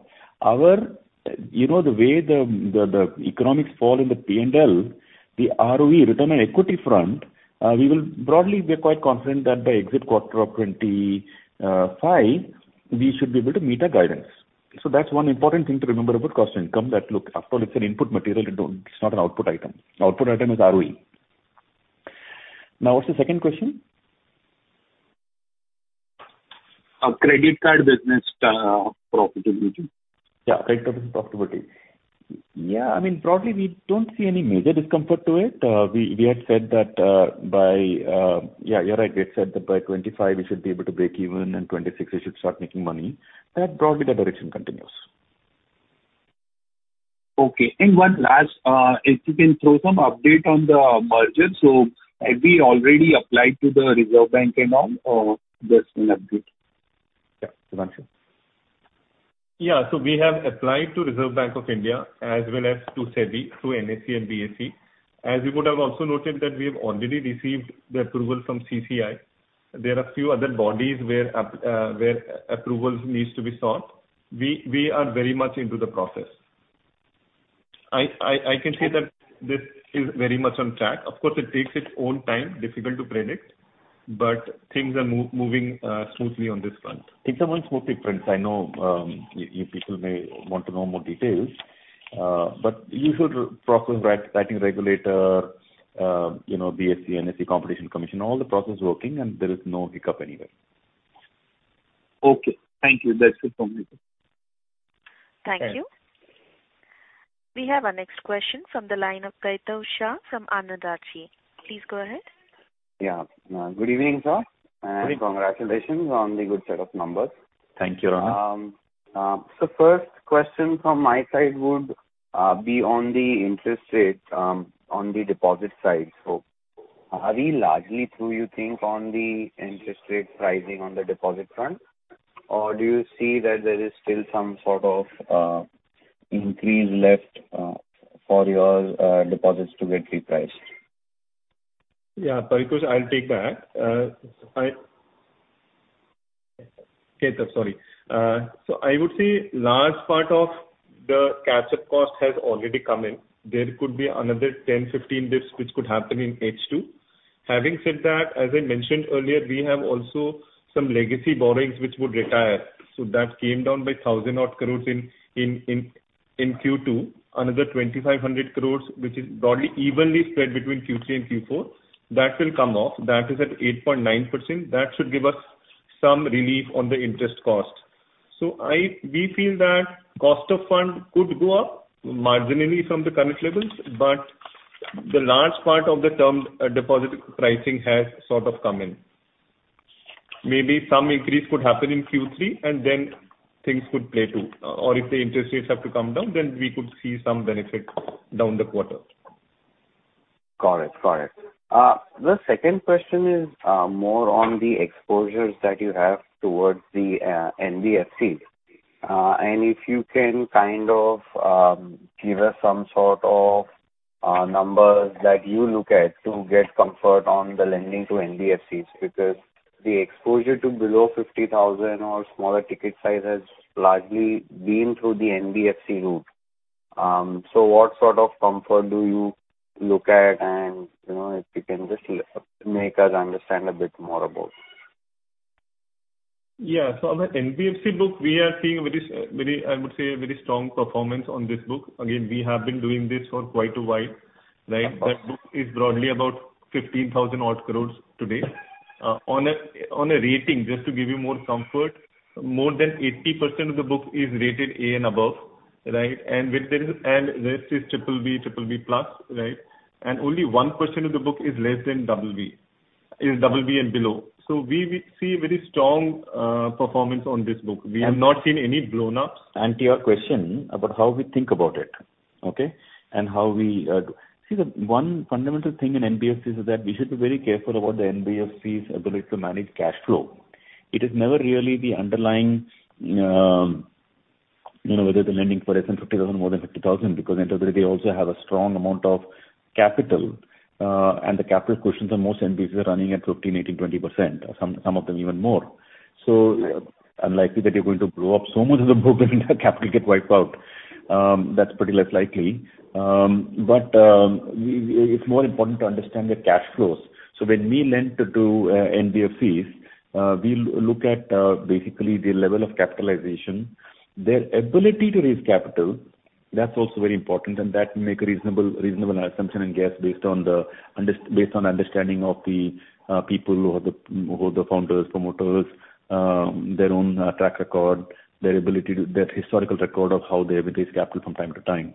you know, the way the economics fall in the P&L, the ROE, return on equity front, we will broadly be quite confident that by exit quarter of 2025, we should be able to meet our guidance. So that's one important thing to remember about cost income, that look, after all, it's an input material, it's not an output item. Output item is ROE. Now, what's the second question? Credit card business, profitability. Yeah, credit card profitability. Yeah, I mean, broadly, we don't see any major discomfort to it. We had said that by 2025, we should be able to break even, and 2026, we should start making money. That broadly, the direction continues. Okay. And one last, if you can throw some update on the merger. So have we already applied to the Reserve Bank and all, or just an update? Yeah. Yeah. So we have applied to Reserve Bank of India as well as to SEBI, to NSE and BSE. As you would have also noted that we have already received the approval from CCI. There are a few other bodies where approvals needs to be sought. We are very much into the process. I can say that this is very much on track. Of course, it takes its own time, difficult to predict, but things are moving smoothly on this front. It's much more different. I know, you, you people may want to know more details, but usual process, right, writing regulator, you know, BSE, NSE, Competition Commission, all the process is working and there is no hiccup anywhere. Okay, thank you. That's it from me. Thank you. We have our next question from the line of Kaitav Shah from Anand Rathi. Please go ahead. Yeah. Good evening, sir- Good evening. Congratulations on the good set of numbers. Thank you. So first question from my side would be on the interest rate on the deposit side. So are we largely through, you think, on the interest rate pricing on the deposit front? Or do you see that there is still some sort of increase left for your deposits to get repriced? Yeah, Kaitav, I'll take that. Kaitav, sorry. So I would say large part of the catch-up cost has already come in. There could be another 10, 15 dips, which could happen in H2. Having said that, as I mentioned earlier, we have also some legacy borrowings which would retire. So that came down by 1,000-odd crore in Q2. Another 2,500 crore, which is broadly evenly spread between Q3 and Q4, that will come off. That is at 8.9%. That should give us some relief on the interest cost. So we feel that cost of fund could go up marginally from the current levels, but the large part of the term deposit pricing has sort of come in. Maybe some increase could happen in Q3, and then things could play too. Or if the interest rates have to come down, then we could see some benefit down the quarter. Got it. Got it. The second question is, more on the exposures that you have towards the, NBFCs. And if you can kind of, give us some sort of, numbers that you look at to get comfort on the lending to NBFCs, because the exposure to below 50,000 or smaller ticket size has largely been through the NBFC route. So what sort of comfort do you look at? And, you know, if you can just make us understand a bit more about. Yeah. So on the NBFC book, we are seeing a very, very, I would say, a very strong performance on this book. Again, we have been doing this for quite a while, right? Uh-huh. That book is broadly about 15,000-odd crore today. On a rating, just to give you more comfort, more than 80% of the book is rated A and above, right? And with this, and the rest is triple B, triple B plus, right? And only 1% of the book is less than double B, is double B and below. So we, we see very strong performance on this book. We have not seen any blown ups. And to your question about how we think about it, okay? And how we... See, the one fundamental thing in NBFCs is that we should be very careful about the NBFCs' ability to manage cash flow. It is never really the underlying, you know, whether the lending for less than 50,000, more than 50,000, because they also have a strong amount of capital, and the capital cushions on most NBFCs are running at 15%, 18%, 20%, or some of them even more. So unlikely that you're going to blow up so much of the book and the capital get wiped out. That's pretty less likely. But, it's more important to understand the cash flows. So when we lend to NBFCs, we look at basically the level of capitalization. Their ability to raise capital, that's also very important, and that make a reasonable, reasonable assumption and guess based on the based on understanding of the people or the, or the founders, promoters, their own track record, their ability to their historical record of how they've raised capital from time to time.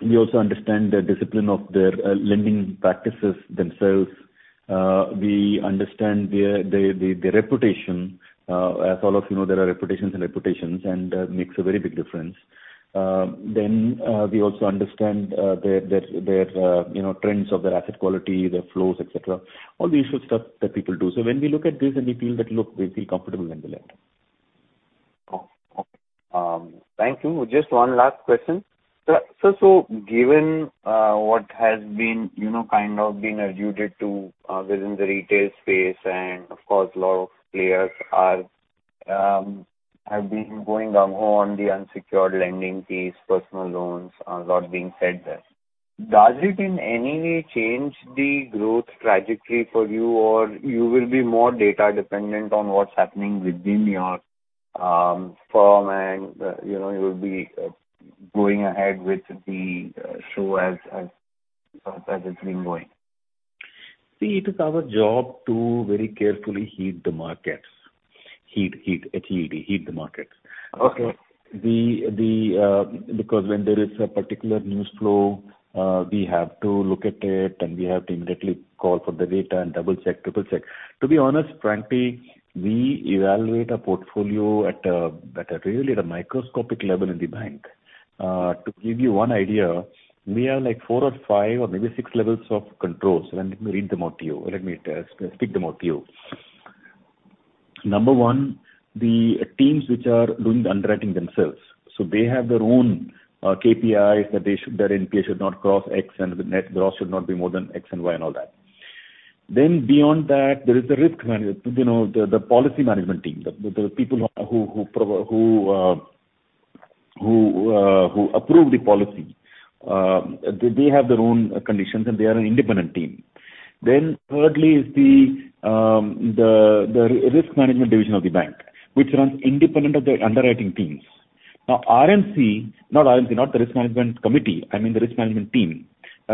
We also understand the discipline of their lending practices themselves. We understand their reputation. As all of you know, there are reputations and reputations, and makes a very big difference. Then we also understand their you know trends of their asset quality, their flows, et cetera. All the usual stuff that people do. So when we look at this and we feel that, look, we feel comfortable, then we lend. Oh, thank you. Just one last question. So, given what has been, you know, kind of alluded to within the retail space, and of course, a lot of players have been going gung ho on the unsecured lending piece, personal loans, a lot being said there. Does it in any way change the growth trajectory for you, or you will be more data dependent on what's happening within your firm and, you know, you will be going ahead with the show as it's been going? See, it is our job to very carefully heed the markets. Heed, heed, heed, heed the markets. Okay. The, the, because when there is a particular news flow, we have to look at it, and we have to immediately call for the data and double-check, triple-check. To be honest, frankly, we evaluate a portfolio at a, at a really at a microscopic level in the bank. To give you one idea, we have, like, four or five or maybe six levels of controls, and let me read them out to you. Let me speak them out to you. Number one, the teams which are doing the underwriting themselves, so they have their own KPIs that they should, their NPA should not cross X, and the net draw should not be more than X and Y and all that. Then beyond that, there is a risk management, you know, the policy management team, the people who approve the policy, they have their own conditions, and they are an independent team. Then thirdly is the risk management division of the bank, which runs independent of the underwriting teams. Now, not the risk management committee, I mean, the risk management team,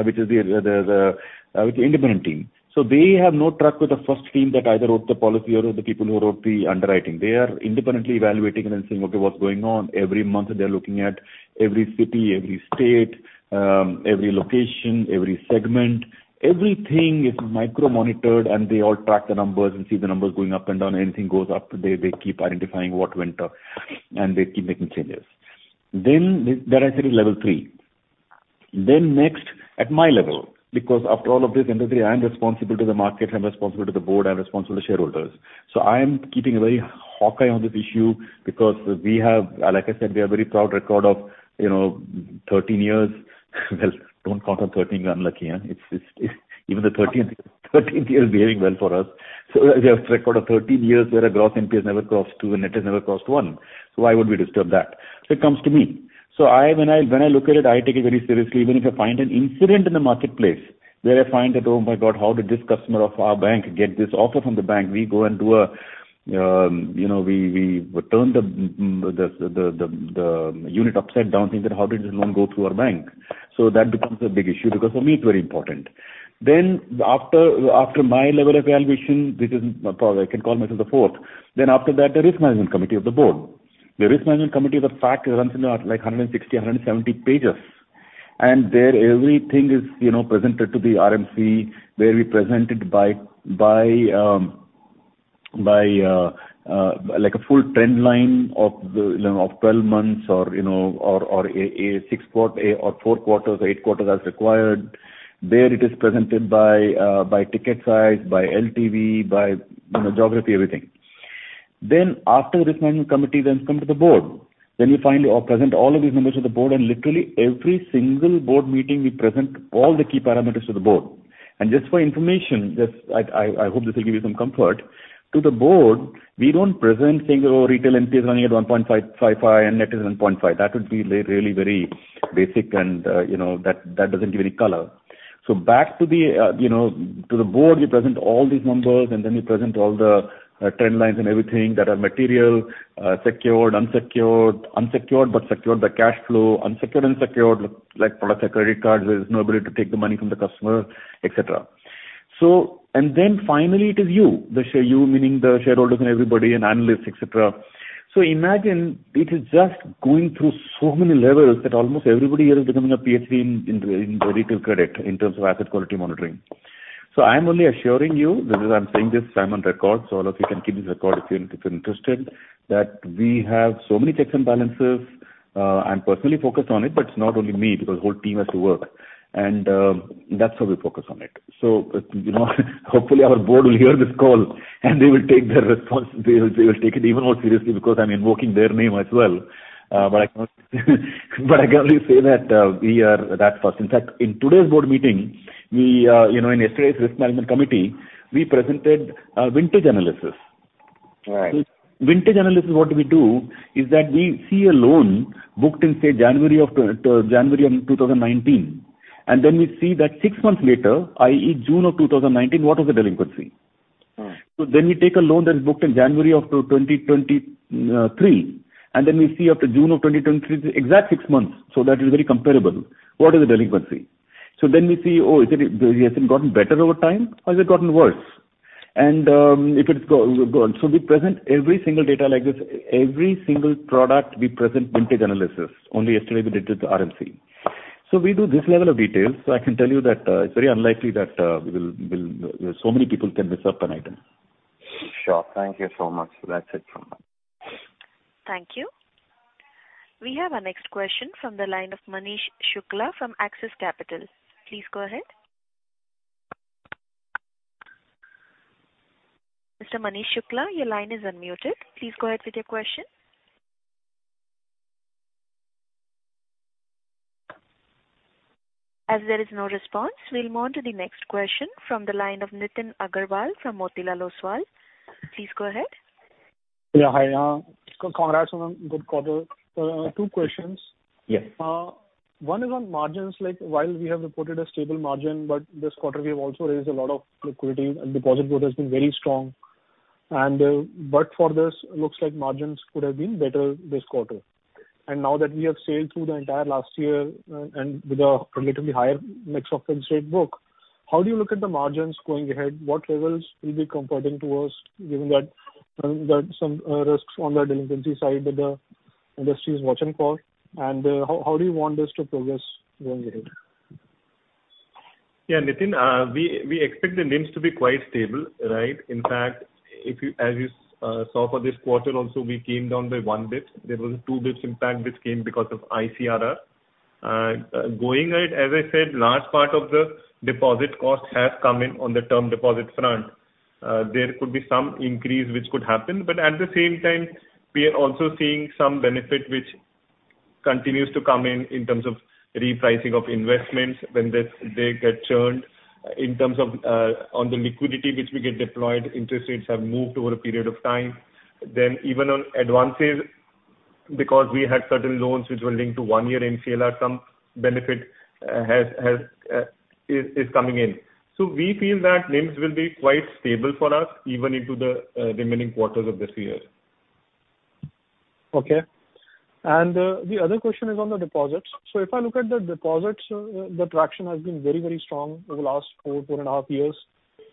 which is independent team. So they have no track with the first team that either wrote the policy or the people who wrote the underwriting. They are independently evaluating and then saying, "Okay, what's going on?" Every month, they're looking at every city, every state, every location, every segment. Everything is micro-monitored, and they all track the numbers and see the numbers going up and down. Anything goes up, they keep identifying what went up, and they keep making changes. Then that I said is level three. Then next, at my level, because after all of this, I'm responsible to the market, I'm responsible to the board, I'm responsible to shareholders. So I am keeping a very hawk eye on this issue because we have, like I said, we have a very proud record of, you know, 13 years. Well, don't count on 13, unlucky. It's even the thirteenth, thirteenth year is doing well for us. So we have a record of 13 years where our gross NPA never crossed two, and net has never crossed one. So why would we disturb that? So it comes to me. I, when I look at it, I take it very seriously. Even if I find an incident in the marketplace, where I find that, oh, my God, how did this customer of our bank get this offer from the bank? We go and do a, you know, we turn the unit upside down, think that how did this loan go through our bank? That becomes a big issue because for me, it's very important. After my level of evaluation, this is, I can call myself the fourth. After that, the risk management committee of the board. The risk management committee, the fact runs into, like, 160, 170 pages, and there everything is, you know, presented to the RMC, where we present it by like a full trend line of the, you know, of 12 months or, you know, or a six quarter or four quarters, eight quarters as required. There, it is presented by ticket size, by LTV, by, you know, geography, everything. Then, after the risk management committee, then it come to the board. Then we finally all present all of these numbers to the board, and literally every single board meeting, we present all the key parameters to the board. Just for your information, I hope this will give you some comfort. To the board, we don't present saying, "Oh, retail NPA is running at 1.555, and net is 1.5." That would be really very basic and, you know, that doesn't give any color. So back to the, you know, to the board, we present all these numbers, and then we present all the trend lines and everything that are material, secured, unsecured, unsecured, but secured by cash flow, unsecured, unsecured, like products like credit cards, there's no ability to take the money from the customer, et cetera. So, and then finally, it is you, the shareholders and everybody and analysts, et cetera. So imagine it is just going through so many levels that almost everybody here is becoming a PhD in retail credit, in terms of asset quality monitoring. So I'm only assuring you that as I'm saying this, I'm on record, so all of you can keep this record if you're interested, that we have so many checks and balances. I'm personally focused on it, but it's not only me, because the whole team has to work. And that's how we focus on it. So, you know, hopefully our board will hear this call, and they will take their response. They will take it even more seriously because I'm invoking their name as well. But I can only say that we are that first. In fact, in today's board meeting, we, you know, in yesterday's risk management committee, we presented a vintage analysis. Right. Vintage analysis, what we do is that we see a loan booked in, say, January of 2019, and then we see that six months later, i.e., June of 2019, what was the delinquency? Right. So then we take a loan that is booked in January of 2023, and then we see after June of 2023, the exact six months, so that is very comparable, what is the delinquency? So then we see, oh, is it, has it gotten better over time, or has it gotten worse? And, if it's gone. So we present every single data like this. Every single product, we present vintage analysis. Only yesterday we did it with RMC. So we do this level of details, so I can tell you that, it's very unlikely that so many people can mess up an item. Sure. Thank you so much. That's it from me. Thank you. We have our next question from the line of Manish Shukla from Axis Capital. Please go ahead.... Mr. Manish Shukla, your line is unmuted. Please go ahead with your question. As there is no response, we'll move on to the next question from the line of Nitin Aggarwal from Motilal Oswal. Please go ahead. Yeah, hi, congrats on a good quarter. Two questions. Yes. One is on margins, like, while we have reported a stable margin, but this quarter we have also raised a lot of liquidity, and deposit growth has been very strong. And, but for this, looks like margins could have been better this quarter. And now that we have sailed through the entire last year, and with a relatively higher mix of fixed rate book, how do you look at the margins going ahead? What levels will be comforting towards giving that, that some risks on the delinquency side that the industry is watching for? And, how, how do you want this to progress going ahead? Yeah, Nitin, we expect the NIMs to be quite stable, right? In fact, as you saw for this quarter also, we came down by 1 basis point. There was 2 basis points impact, which came because of ICRR. As I said, large part of the deposit cost has come in on the term deposit front. There could be some increase which could happen, but at the same time, we are also seeing some benefit which continues to come in, in terms of repricing of investments when they get churned. In terms of the liquidity which we get deployed, interest rates have moved over a period of time. Even on advances, because we had certain loans which were linked to one year MCLR, some benefit is coming in. So we feel that NIMs will be quite stable for us, even into the remaining quarters of this year. Okay. The other question is on the deposits. If I look at the deposits, the traction has been very, very strong over the last 4.5 years.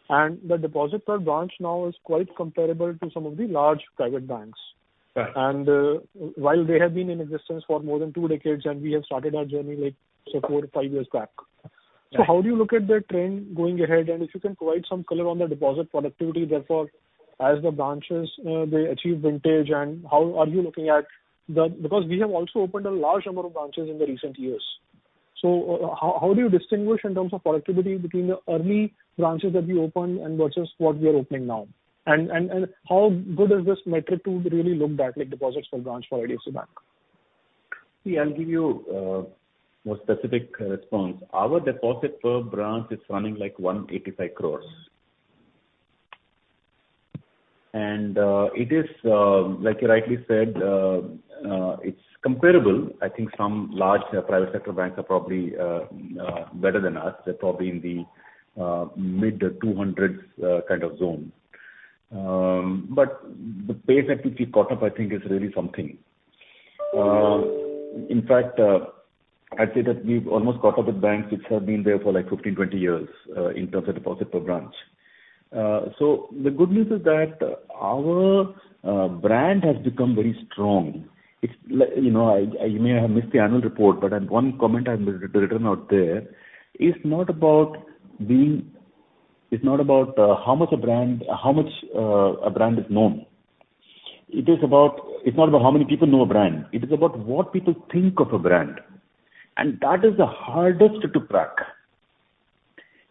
The deposit per branch now is quite comparable to some of the large private banks. Right. While they have been in existence for more than two decades, and we have started our journey, like, say, four to five years back. Right. So how do you look at that trend going ahead? And if you can provide some color on the deposit productivity, therefore, as the branches they achieve vintage, and how are you looking at the... Because we have also opened a large number of branches in the recent years. So how do you distinguish in terms of productivity between the early branches that we opened and versus what we are opening now? And how good is this metric to really look back, like, deposits per branch for IDFC Bank? See, I'll give you more specific response. Our deposit per branch is running, like, 185 crore. And, it is, like you rightly said, it's comparable. I think some large private sector banks are probably better than us. They're probably in the mid-200s kind of zone. But the pace at which we caught up, I think, is really something. In fact, I'd say that we've almost caught up with banks which have been there for, like, 15, 20 years in terms of deposit per branch. So the good news is that our brand has become very strong. It's you know, you may have missed the annual report, but, one comment I will written out there: It's not about being, it's not about, how much a brand, how much, a brand is known. It is about... It's not about how many people know a brand. It is about what people think of a brand, and that is the hardest to track.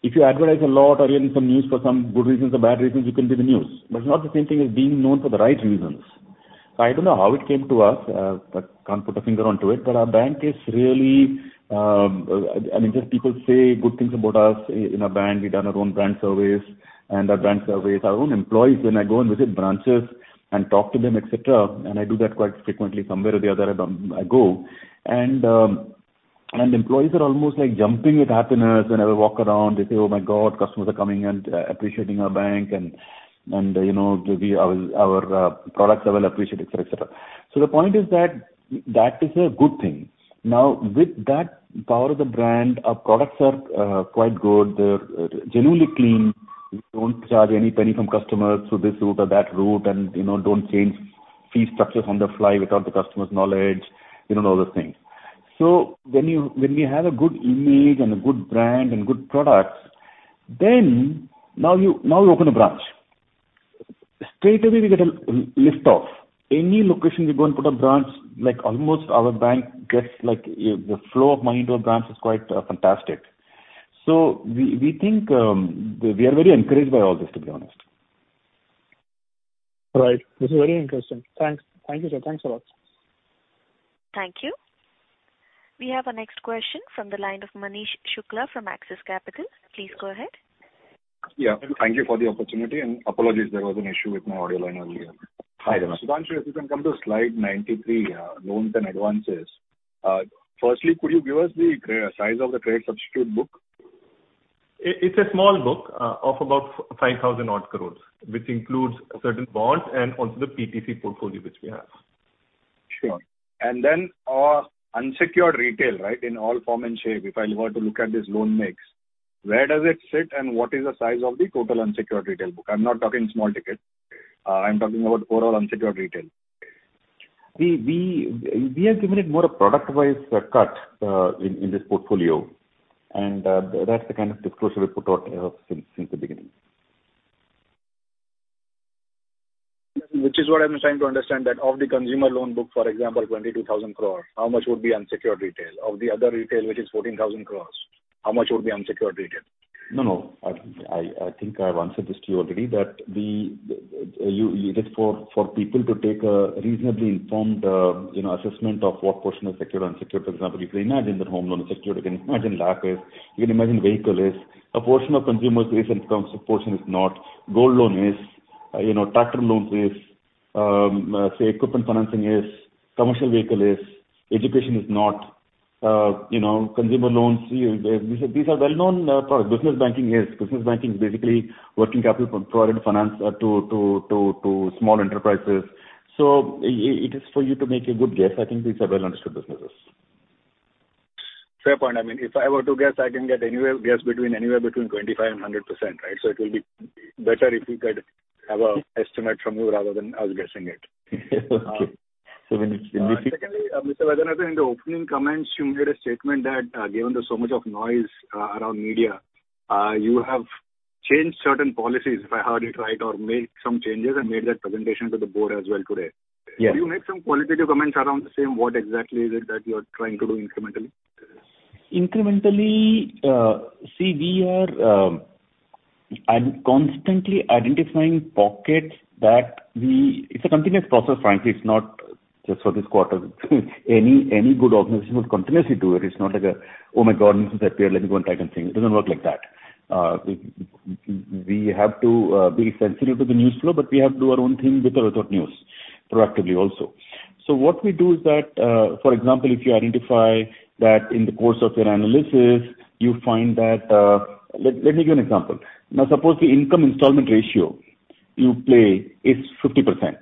If you advertise a lot or you're in some news for some good reasons or bad reasons, you can be in the news, but it's not the same thing as being known for the right reasons. I don't know how it came to us, but can't put a finger onto it, but our bank is really, I mean, just people say good things about us in our brand. We've done our own brand surveys, and our brand surveys, our own employees, when I go and visit branches and talk to them, et cetera, and I do that quite frequently, somewhere or the other, I go. Employees are almost, like, jumping with happiness whenever I walk around. They say, "Oh, my God, customers are coming and, you know, appreciating our bank, and, and, you know, maybe our, our, products are well appreciated," et cetera, et cetera. The point is that, that is a good thing. Now, with that power of the brand, our products are, quite good. They're, genuinely clean. We don't charge any penny from customers through this route or that route, and, you know, don't change fee structures on the fly without the customer's knowledge, you know, all those things. So when you, when you have a good image and a good brand and good products, then now you, now you open a branch. Straightaway we get a list of any location we go and put a branch, like, almost our bank gets, like, the flow of money to our branch is quite fantastic. So we, we think, we are very encouraged by all this, to be honest. Right. This is very interesting. Thanks. Thank you, sir. Thanks a lot. Thank you. We have our next question from the line of Manish Shukla from Axis Capital. Please go ahead. Yeah. Thank you for the opportunity, and apologies, there was an issue with my audio line earlier. Hi, Manish. Sudhanshu, if you can come to slide 93, loans and advances. Firstly, could you give us the size of the trade substitute book? It's a small book of about 5,000 crore, which includes certain bonds and also the PPC portfolio, which we have. Sure. And then, unsecured retail, right, in all form and shape, if I were to look at this loan mix, where does it sit and what is the size of the total unsecured retail book? I'm not talking small ticket. I'm talking about overall unsecured retail. We have given it more a product-wise cut in this portfolio, and that's the kind of disclosure we put out since the beginning. ... Which is what I'm trying to understand, that of the consumer loan book, for example, 22,000 crore, how much would be unsecured retail? Of the other retail, which is 14,000 crore, how much would be unsecured retail? No, no. I think I've answered this to you already, that the it is for people to take a reasonably informed, you know, assessment of what portion is secured or unsecured. For example, you can imagine that home loan is secured, you can imagine LAP is, you can imagine vehicle is. A portion of consumers is, and some portion is not. Gold loan is, you know, tractor loans is, say, equipment financing is, commercial vehicle is, education is not. You know, consumer loans, these are, these are well-known products. Business banking is! Business banking is basically working capital for foreign finance to small enterprises. So it is for you to make a good guess. I think these are well-understood businesses. Fair point. I mean, if I were to guess, I can get anywhere, guess between, anywhere between 25% and 100%, right? It will be better if we could have an estimate from you, rather than I was guessing it. Okay. So then if you- Secondly, Mr. Vaidyanathan, in the opening comments, you made a statement that, given the so much of noise around media, you have changed certain policies, if I heard it right, or made some changes and made that presentation to the board as well today. Yes. Can you make some qualitative comments around the same? What exactly is it that you are trying to do incrementally? Incrementally, see, we are constantly identifying pockets that we— It's a continuous process, frankly, it's not just for this quarter. Any good organization would continuously do it. It's not like a, "Oh my God! This is appeared, let me go and try something." It doesn't work like that. We have to be sensitive to the news flow, but we have to do our own thing with or without news, proactively also. So what we do is that, for example, if you identify that in the course of your analysis, you find that. Let me give you an example. Now, suppose the income installment ratio you play is 50%,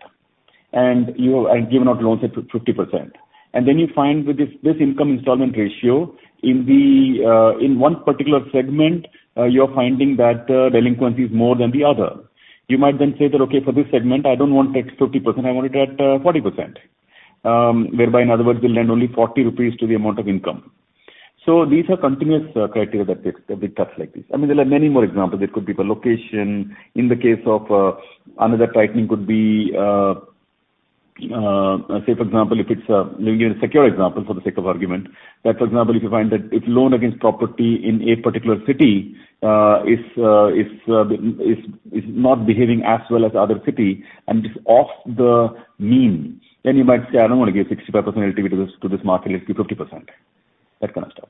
and you are giving out loans at 50%, and then you find with this, this income installment ratio, in the, in one particular segment, you're finding that, delinquency is more than the other. You might then say that, "Okay, for this segment, I don't want it at 50%, I want it at 40%." Whereby in other words, we lend only 40 rupees to the amount of income. So these are continuous criteria that we, that we touch like this. I mean, there are many more examples. It could be the location. In the case of, another tightening could be, say, for example, if it's, let me give a secure example for the sake of argument, that, for example, if you find that if loan against property in a particular city is not behaving as well as other city and is off the means, then you might say, "I don't want to give 65% LTV to this, to this market, let's say 50%." That kind of stuff.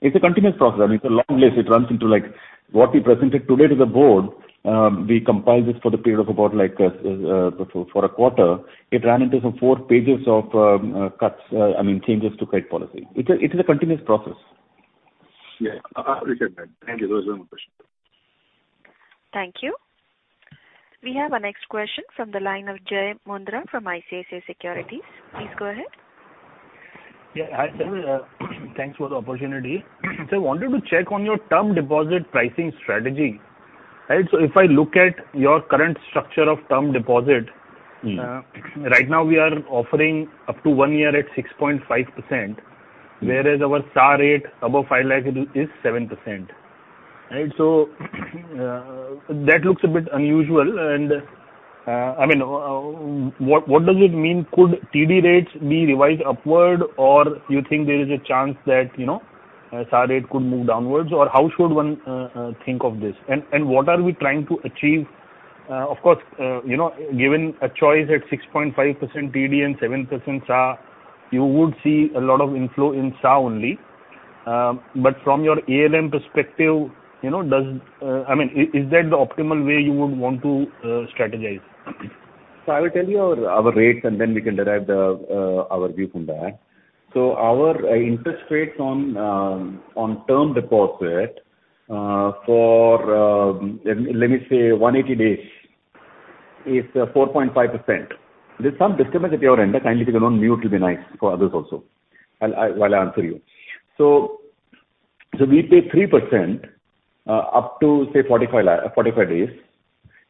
It's a continuous process. I mean, it's a long list. It runs into, like, what we presented today to the board, I mean, we compiled this for the period of about like, for a quarter. It ran into some four pages of cuts, I mean, changes to credit policy. It's a continuous process. Yeah. I receive that. Thank you. Those are my questions. Thank you. We have our next question from the line of Jai Mundhra, from ICICI Securities. Please go ahead. Yeah. Hi, sir. Thanks for the opportunity. Sir, I wanted to check on your term deposit pricing strategy. Right. So if I look at your current structure of term deposit- Mm. Right now we are offering up to one year at 6.5%- Mm. Whereas our SAR rate above 5 lakh is 7%. Right? So, that looks a bit unusual. And, I mean, what, what does it mean? Could TD rates be revised upward, or you think there is a chance that, you know, SAR rate could move downwards? Or how should one, think of this? And, and what are we trying to achieve? Of course, you know, given a choice at 6.5% TD and 7% SAR, you would see a lot of inflow in SAR only. But from your ALM perspective, you know, does, I mean, is that the optimal way you would want to, strategize? I will tell you our rates, and then we can derive the, our view from that. Our interest rates on term deposit, for, let me say 180 days, is 4.5%. There's some discomfort at your end. Kindly, if you can on mute, it'll be nice for others also, while I answer you. We pay 3% up to, say, 45 days.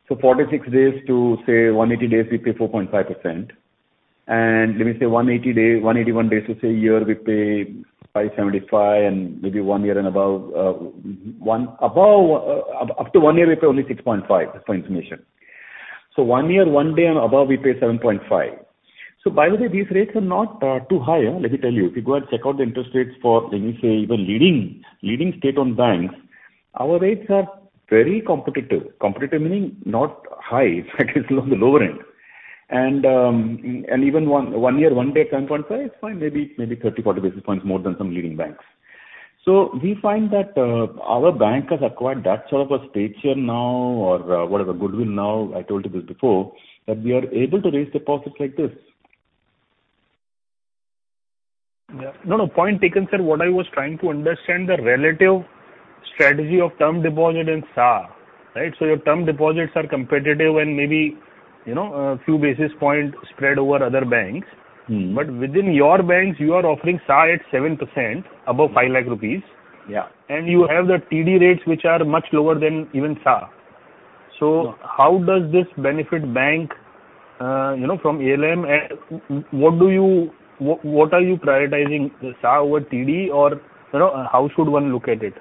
So 46 days to, say, 180 days, we pay 4.5%. Let me say 181 days to, say, a year, we pay 5.75%, and maybe one year and above, up to one year, we pay only 6.5%, just for information. So one year, one day and above, we pay 7.5%. So by the way, these rates are not too high. Let me tell you, if you go and check out the interest rates for, let me say, even leading, leading state-owned banks, our rates are very competitive. Competitive meaning not high, in fact, it's on the lower end. And even one year, one day, 7.5%, it's fine, maybe 30-40 basis points more than some leading banks. So we find that our bank has acquired that sort of a stature now, or whatever goodwill now. I told you this before, that we are able to raise deposits like this. Yeah. No, no, point taken, sir. What I was trying to understand the relative strategy of term deposit and CASA, right? So your term deposits are competitive and maybe, you know, a few basis points spread over other banks. Mm. But within your banks, you are offering SAR at 7% above 500,000 rupees. Yeah. You have the TD rates, which are much lower than even SAR. Yeah. So how does this benefit bank, you know, from ALM, what are you prioritizing, the CASA over TD or, you know, how should one look at it? ...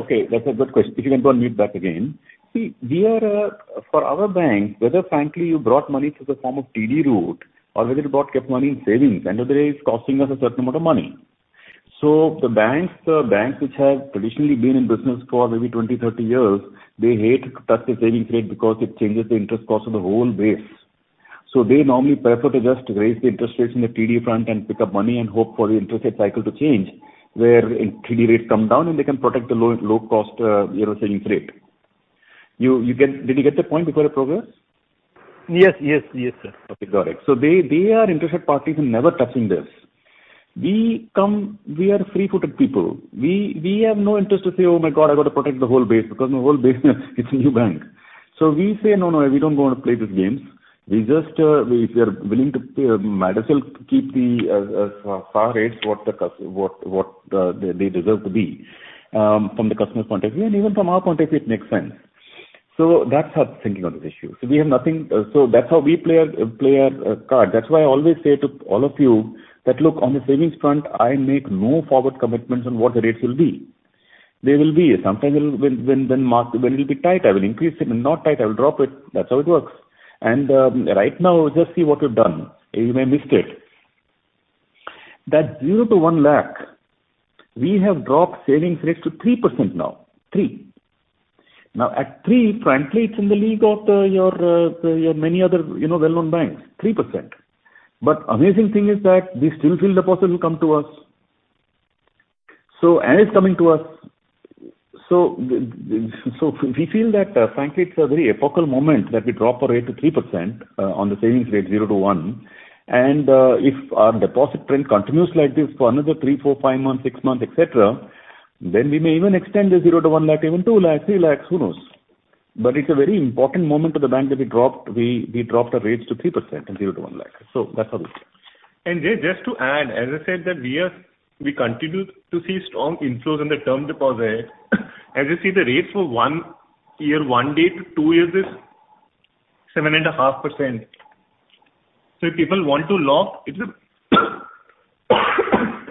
Okay, that's a good question. If you can go on mute back again. See, we are, for our bank, whether frankly you brought money through the form of TD route or whether you brought, kept money in savings, end of the day, it's costing us a certain amount of money. So the banks, the banks which have traditionally been in business for maybe 20, 30 years, they hate to touch the savings rate because it changes the interest cost of the whole base. So they normally prefer to just raise the interest rates in the TD front and pick up money and hope for the interest rate cycle to change, where TD rates come down, and they can protect the low, low cost, you know, savings rate. You, you get? Did you get the point before I progress? Yes, yes, yes, sir. Okay, got it. So they, they are interested parties in never touching this. We come, we are free-footed people. We, we have no interest to say, "Oh my God, I've got to protect the whole base," because my whole base, it's a new bank. So we say, "No, no, we don't want to play this game." We just, we, if we are willing to, might as well keep the SAR rates what they deserve to be, from the customer's point of view, and even from our point of view, it makes sense. So that's how thinking on this issue. So we have nothing... So that's how we play our card. That's why I always say to all of you that, look, on the savings front, I make no forward commitments on what the rates will be. They will be, sometime when it'll be tight, I will increase it, and not tight, I will drop it. That's how it works. And right now, just see what we've done. You may mistake. That 0-1 lakh, we have dropped savings rates to 3% now, 3%. Now, at 3%, frankly, it's in the league of your many other, you know, well-known banks, 3%. But amazing thing is that we still feel the deposit will come to us. So, and it's coming to us. We feel that, frankly, it's a very epochal moment that we drop our rate to 3% on the savings rate zero to one, and if our deposit trend continues like this for another three, four, five, six months, et cetera, then we may even extend the 0-1 lakh, even two lakhs, three lakhs, who knows? It's a very important moment for the bank that we dropped, we dropped our rates to 3% in 0-1 lakh. That's how it is. And just to add, as I said, that we continue to see strong inflows in the term deposit. As you see, the rates for one year, one day to two years is 7.5%. So if people want to lock, it's a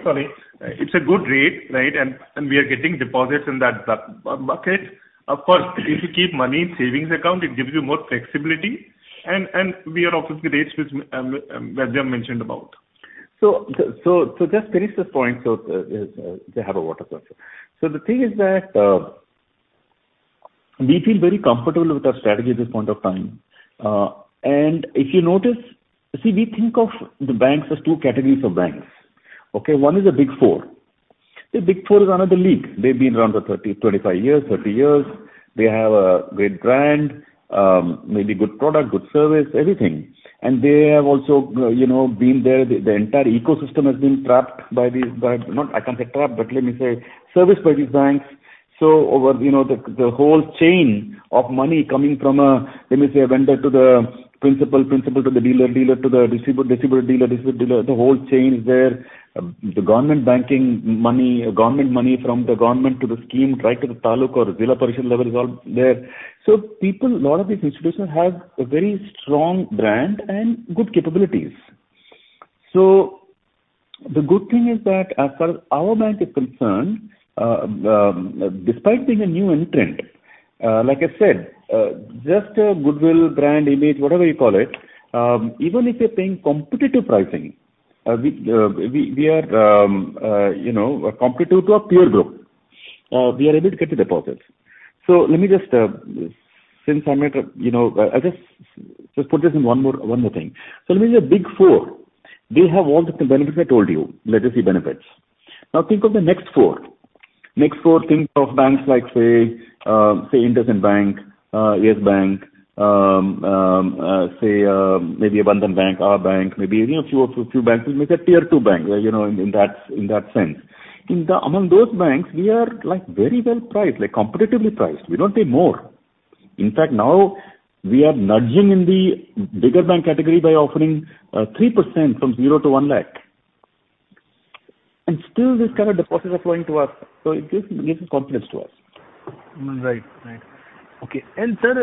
sorry, it's a good rate, right? And we are getting deposits in that bucket. Of course, if you keep money in savings account, it gives you more flexibility, and we are offering the rates which mentioned about. So just finish this point, they have a water cluster. So the thing is that we feel very comfortable with our strategy at this point of time. And if you notice, see, we think of the banks as two categories of banks. Okay? One is the Big Four. The Big Four is another league. They've been around for 30, 25 years, 30 years. They have a great brand, maybe good product, good service, everything. And they have also, you know, been there. The entire ecosystem has been trapped by these, not I can't say trapped, but let me say serviced by these banks. So over, you know, the whole chain of money coming from, let me say, a vendor to the principal, principal to the dealer, dealer to the distributor, distributor to dealer, distributor, dealer, the whole chain is there. The government banking money, government money from the government to the scheme, right to the taluk or Zilla Parishad level is all there. So people, a lot of these institutions have a very strong brand and good capabilities. So the good thing is that as far as our bank is concerned, despite being a new entrant, like I said, just a goodwill brand image, whatever you call it, even if you're paying competitive pricing, we are, you know, competitive to a peer group, we are able to get the deposits. So let me just, since I made a, you know, I'll just put this in one more thing. So let me say Big 4, they have all the benefits I told you, legacy benefits. Now think of the next 4. Next 4, think of banks like, say, IndusInd Bank, Yes Bank, say, maybe Bandhan Bank, RBL Bank, maybe, you know, few banks, we say tier two banks, you know, in that sense. Among those banks, we are, like, very well priced, like, competitively priced. We don't pay more. In fact, now we are nudging in the bigger bank category by offering 3% from 0 to 1 lakh. And still, this kind of deposits are flowing to us, so it gives confidence to us. Right. Right. Okay. And sir,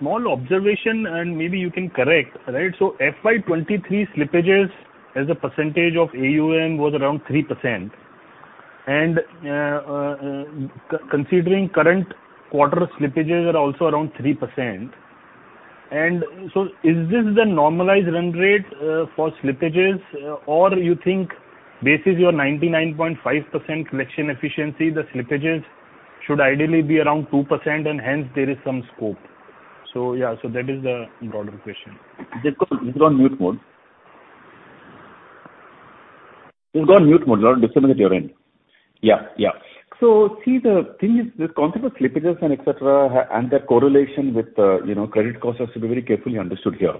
small observation, and maybe you can correct, right? So FY 2023 slippages as a percentage of AUM was around 3%. And considering current quarter slippages are also around 3%. And so is this the normalized run rate for slippages, or you think this is your 99.5% collection efficiency, the slippages should ideally be around 2%, and hence there is some scope? So yeah, so that is the broader question. You've gone, you've gone mute mode. You've gone mute mode. Just let me know when you're in. Yeah, yeah. So see, the thing is, the concept of slippages and et cetera, and the correlation with, you know, credit costs has to be very carefully understood here.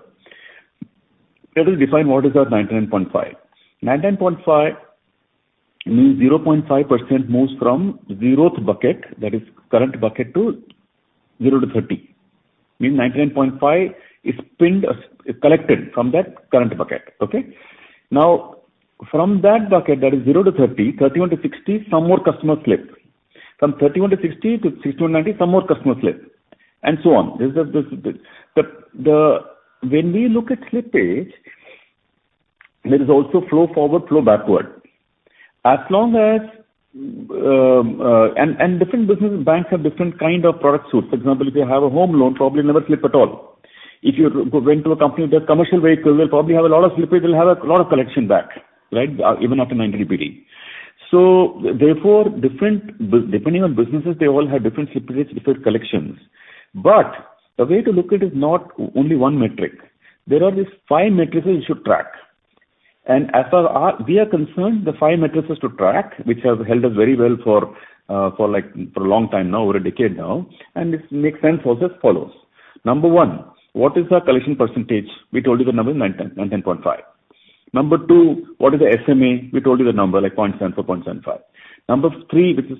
Let me define what is our 99.5. 99.5 means 0.5% moves from zeroth bucket, that is current bucket, to 0-30. Means 99.5 is pinned, is collected from that current bucket. Okay? Now, from that bucket, that is 0-30, 31-60, some more customers slip. From 31-60 to 60-90, some more customers slip, and so on. When we look at slippage, there is also flow forward, flow backward. As long as different business banks have different kind of product suites. For example, if you have a home loan, probably never slip at all. If you went to a company that commercial vehicle will probably have a lot of slippage, will have a lot of collection back, right? Even after 90 repeating. So therefore, different, depending on businesses, they all have different slippages, different collections. But the way to look at it is not only one metric. There are these five metrics you should track, and as far as we are concerned, the five metrics is to track, which has held us very well for like a long time now, over a decade now, and it makes sense as follows. Number one, what is our collection percentage? We told you the number, 90, 90.5%. Number 2, what is the SMA? We told you the number, like 0.7-0.75. Number 3, which is,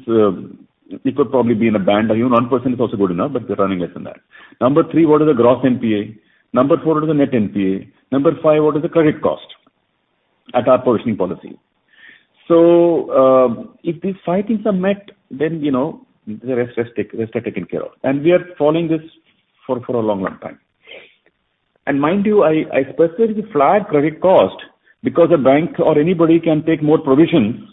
it could probably be in a band, even 1% is also good enough, but we're running less than that. Number 3, what is the gross NPA? Number 4, what is the net NPA? Number 5, what is the credit cost at our provisioning policy? So, if these five things are met, then, you know, the rest are taken care of. And we are following this for, for a long, long time. And mind you, I specifically flag credit cost because a bank or anybody can take more provisions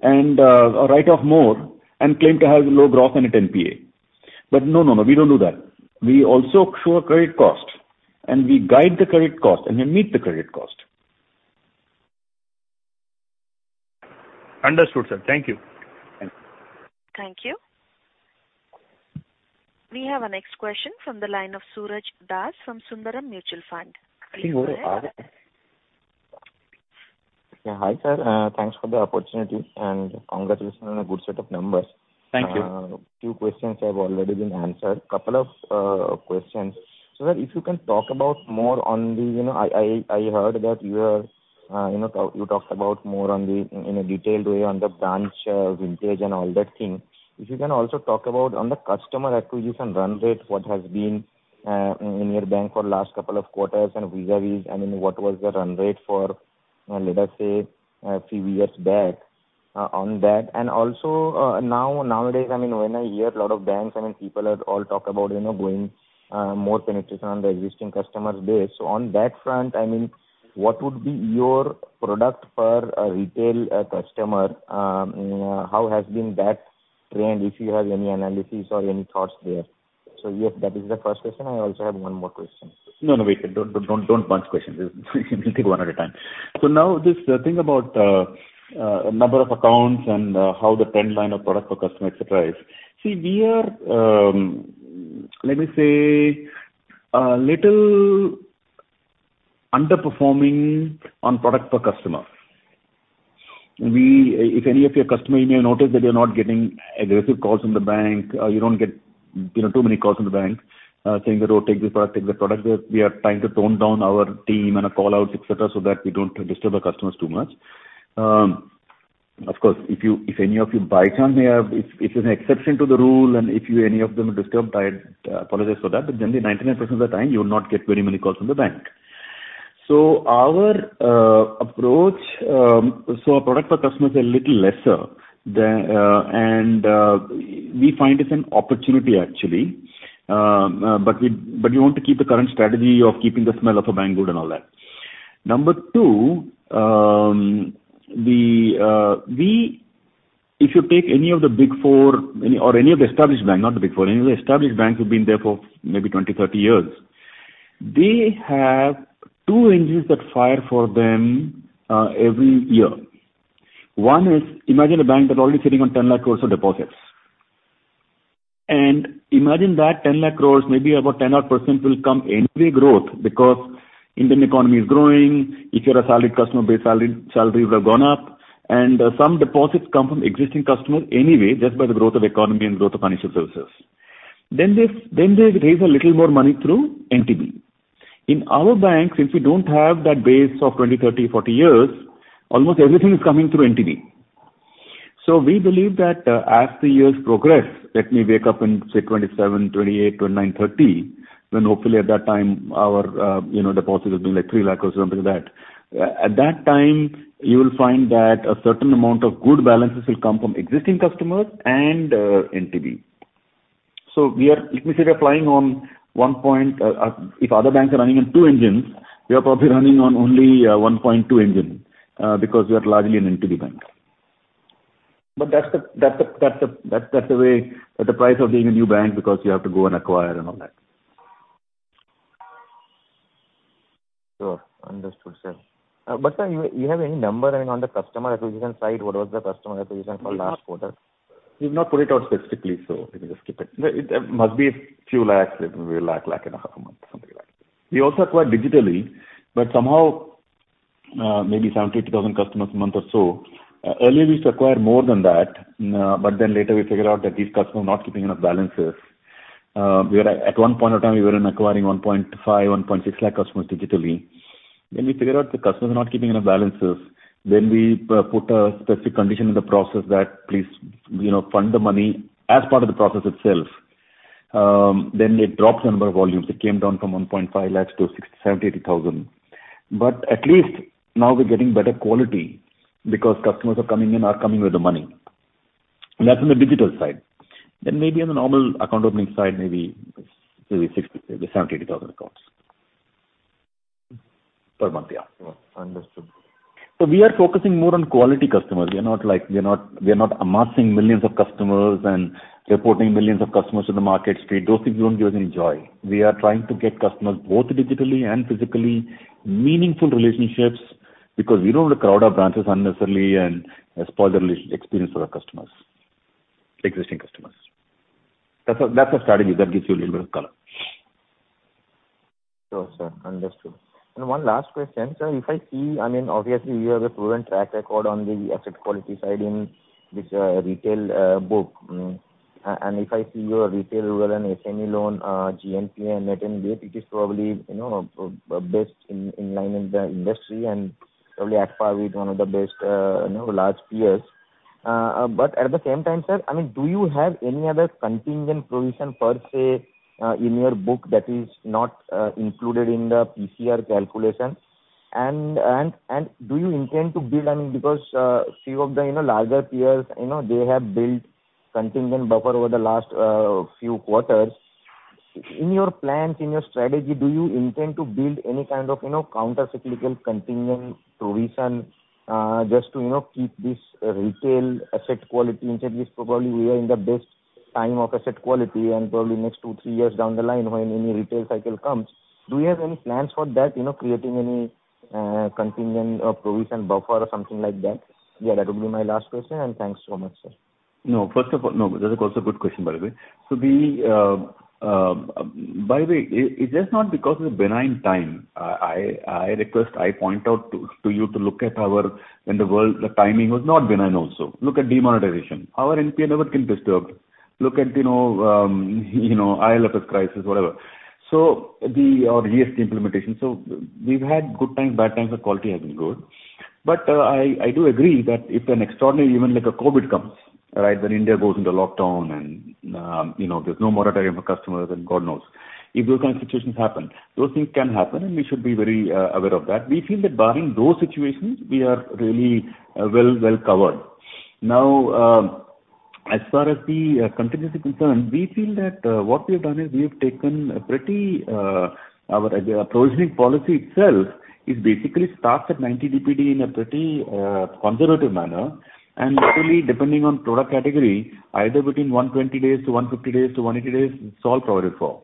and write off more and claim to have low gross NPA. But no, no, no, we don't do that. We also show a credit cost, and we guide the credit cost, and we meet the credit cost. Understood, sir. Thank you. Thank you. Thank you. We have our next question from the line of Suraj Das from Sundaram Mutual Fund. Yeah, hi, sir. Thanks for the opportunity and congratulations on a good set of numbers. Thank you. Two questions have already been answered. Couple of questions. So if you can talk about more on the, you know, I heard that you are, you know, you talked about more on the, in a detailed way on the branch, vintage and all that thing. If you can also talk about on the customer acquisition run rate, what has been, in your bank for last couple of quarters, and vis-a-vis, I mean, what was the run rate for, let us say, a few years back, on that? And also, now, nowadays, I mean, when I hear a lot of banks, I mean, people are all talk about, you know, going, more penetration on the existing customers base. So on that front, I mean, what would be your product for a retail, customer? How has been that trend, if you have any analysis or any thoughts there? Yes, that is the first question. I also have one more question. No, no, wait, sir. Don't, don't, don't bunch questions. We'll take one at a time. So now this thing about number of accounts and how the trend line of product per customer, et cetera, is. See, we are, let me say, a little underperforming on product per customer. We, if any of your customer, you may notice that you're not getting aggressive calls from the bank, you don't get, you know, too many calls from the bank, saying that, "Oh, take this product, take that product." We are trying to tone down our team and our call outs, et cetera, so that we don't disturb the customers too much. Of course, if any of you by chance may have, it's an exception to the rule, and if any of them are disturbed, I apologize for that, but generally, 99% of the time you will not get very many calls from the bank. So our approach, our product per customer is a little lesser than, and we find this an opportunity actually. But we want to keep the current strategy of keeping the smell of a bank good and all that. Number two, if you take any of the Big Four, or any of the established bank, not the Big Four, any of the established banks who've been there for maybe 20, 30 years, they have two engines that fire for them every year. One is, imagine a bank that's already sitting on 1,000,000 crore of deposits, and imagine that ten lakh crores may be about 10% will come anyway growth, because Indian economy is growing. If you're a solid customer base, salary, salary would have gone up, and, some deposits come from existing customers anyway, just by the growth of economy and growth of financial services. Then they, then they raise a little more money through NTB. In our bank, since we don't have that base of 20, 30, 40 years, almost everything is coming through NTB. So we believe that, as the years progress, let me wake up in, say, 2027, 2028, 2029, 2030, then hopefully at that time our, you know, deposits will be like 300,000 crore or something like that. At that time, you will find that a certain amount of good balances will come from existing customers and NTB. So we are, let me say, we are flying on one point, if other banks are running on two engines, we are probably running on only 1.2 engine, because we are largely an NTB bank. But that's the way, that's the price of being a new bank because you have to go and acquire and all that. Sure. Understood, sir. Uh, but sir, you, you have any number on the customer acquisition side? What was the customer acquisition for last quarter? We've not put it out specifically, so let me just keep it. It must be a few lakhs, maybe, something like that. We also acquired digitally, but somehow, maybe 72,000 customers a month or so. Earlier we used to acquire more than that, but then later we figured out that these customers are not keeping enough balances. We are, at one point of time, we were acquiring 1.5-1.6 customers digitally. Then we figured out the customers are not keeping enough balances. We put a specific condition in the process that, please, you know, fund the money as part of the process itself. It dropped the number of volumes. It came down from 1.5 lakh to 60,000, 70,000, 80,000. But at least now we're getting better quality because customers are coming in, are coming with the money.... And that's on the digital side. Then maybe on the normal account opening side, maybe, maybe 60,000, 70,000, 80,000 accounts per month. Yeah. Understood. So we are focusing more on quality customers. We are not like, we are not, we are not amassing millions of customers and reporting millions of customers to the market street. Those things don't give us any joy. We are trying to get customers, both digitally and physically, meaningful relationships, because we don't want to crowd our branches unnecessarily and spoil the relationship experience for our customers, existing customers. That's a, that's a strategy that gives you a little bit of color. Sure, sir. Understood. And one last question, sir. If I see, I mean, obviously, you have a proven track record on the asset quality side in this retail book. And if I see your retail rather than SME loan, GNPA and net NPA, it is probably, you know, best in line in the industry and probably at par with one of the best, you know, large peers. But at the same time, sir, I mean, do you have any other contingent provision per se in your book that is not included in the PCR calculation? And do you intend to build, I mean, because few of the, you know, larger peers, you know, they have built contingent buffer over the last few quarters. In your plans, in your strategy, do you intend to build any kind of, you know, countercyclical contingent provision, just to, you know, keep this retail asset quality? At least probably we are in the best time of asset quality, and probably next two, three years down the line, when any retail cycle comes, do we have any plans for that? You know, creating any, contingent or provision buffer or something like that? Yeah, that would be my last question, and thanks so much, sir. No, first of all, no, that's also a good question, by the way. So the, by the way, it's just not because of the benign time. I request, I point out to you to look at our... In the world, the timing was not benign also. Look at demonetization. Our NPA never been disturbed. Look at, you know, you know, IL&FS crisis, whatever. So the, or GST implementation. So we've had good times, bad times, the quality has been good. But, I do agree that if an extraordinary event like a COVID comes, right, then India goes into lockdown and, you know, there's no moratorium for customers, then God knows. If those kind of situations happen, those things can happen, and we should be very, aware of that. We feel that barring those situations, we are really, well, well covered. Now, as far as the contingency is concerned, we feel that what we have done is, we have taken a pretty, our provisioning policy itself is basically starts at 90 DPD in a pretty, conservative manner, and literally, depending on product category, either between 120 days to 150 days to 180 days, it's all provided for.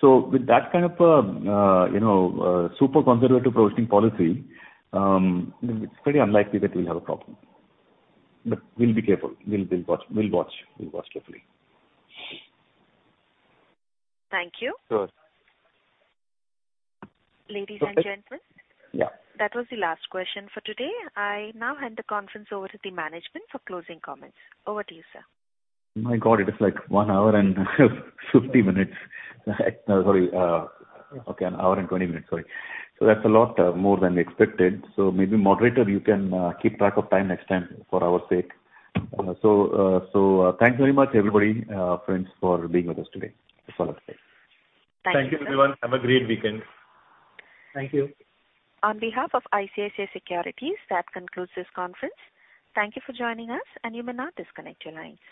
So with that kind of a, you know, super conservative provisioning policy, it's pretty unlikely that we'll have a problem. But we'll be careful. We'll watch. We'll watch carefully. Thank you. Sure. Ladies and gentlemen- Yeah. That was the last question for today. I now hand the conference over to the management for closing comments. Over to you, sir. My God, it is like 1 hour and 50 minutes. Sorry, okay, an hour and 20 minutes, sorry. So that's a lot, more than expected. So maybe moderator, you can keep track of time next time for our sake. So, thanks very much, everybody, friends, for being with us today. That's all I have to say. Thank you. Thank you, everyone. Have a great weekend. Thank you. On behalf of ICICI Securities, that concludes this conference. Thank you for joining us, and you may now disconnect your lines.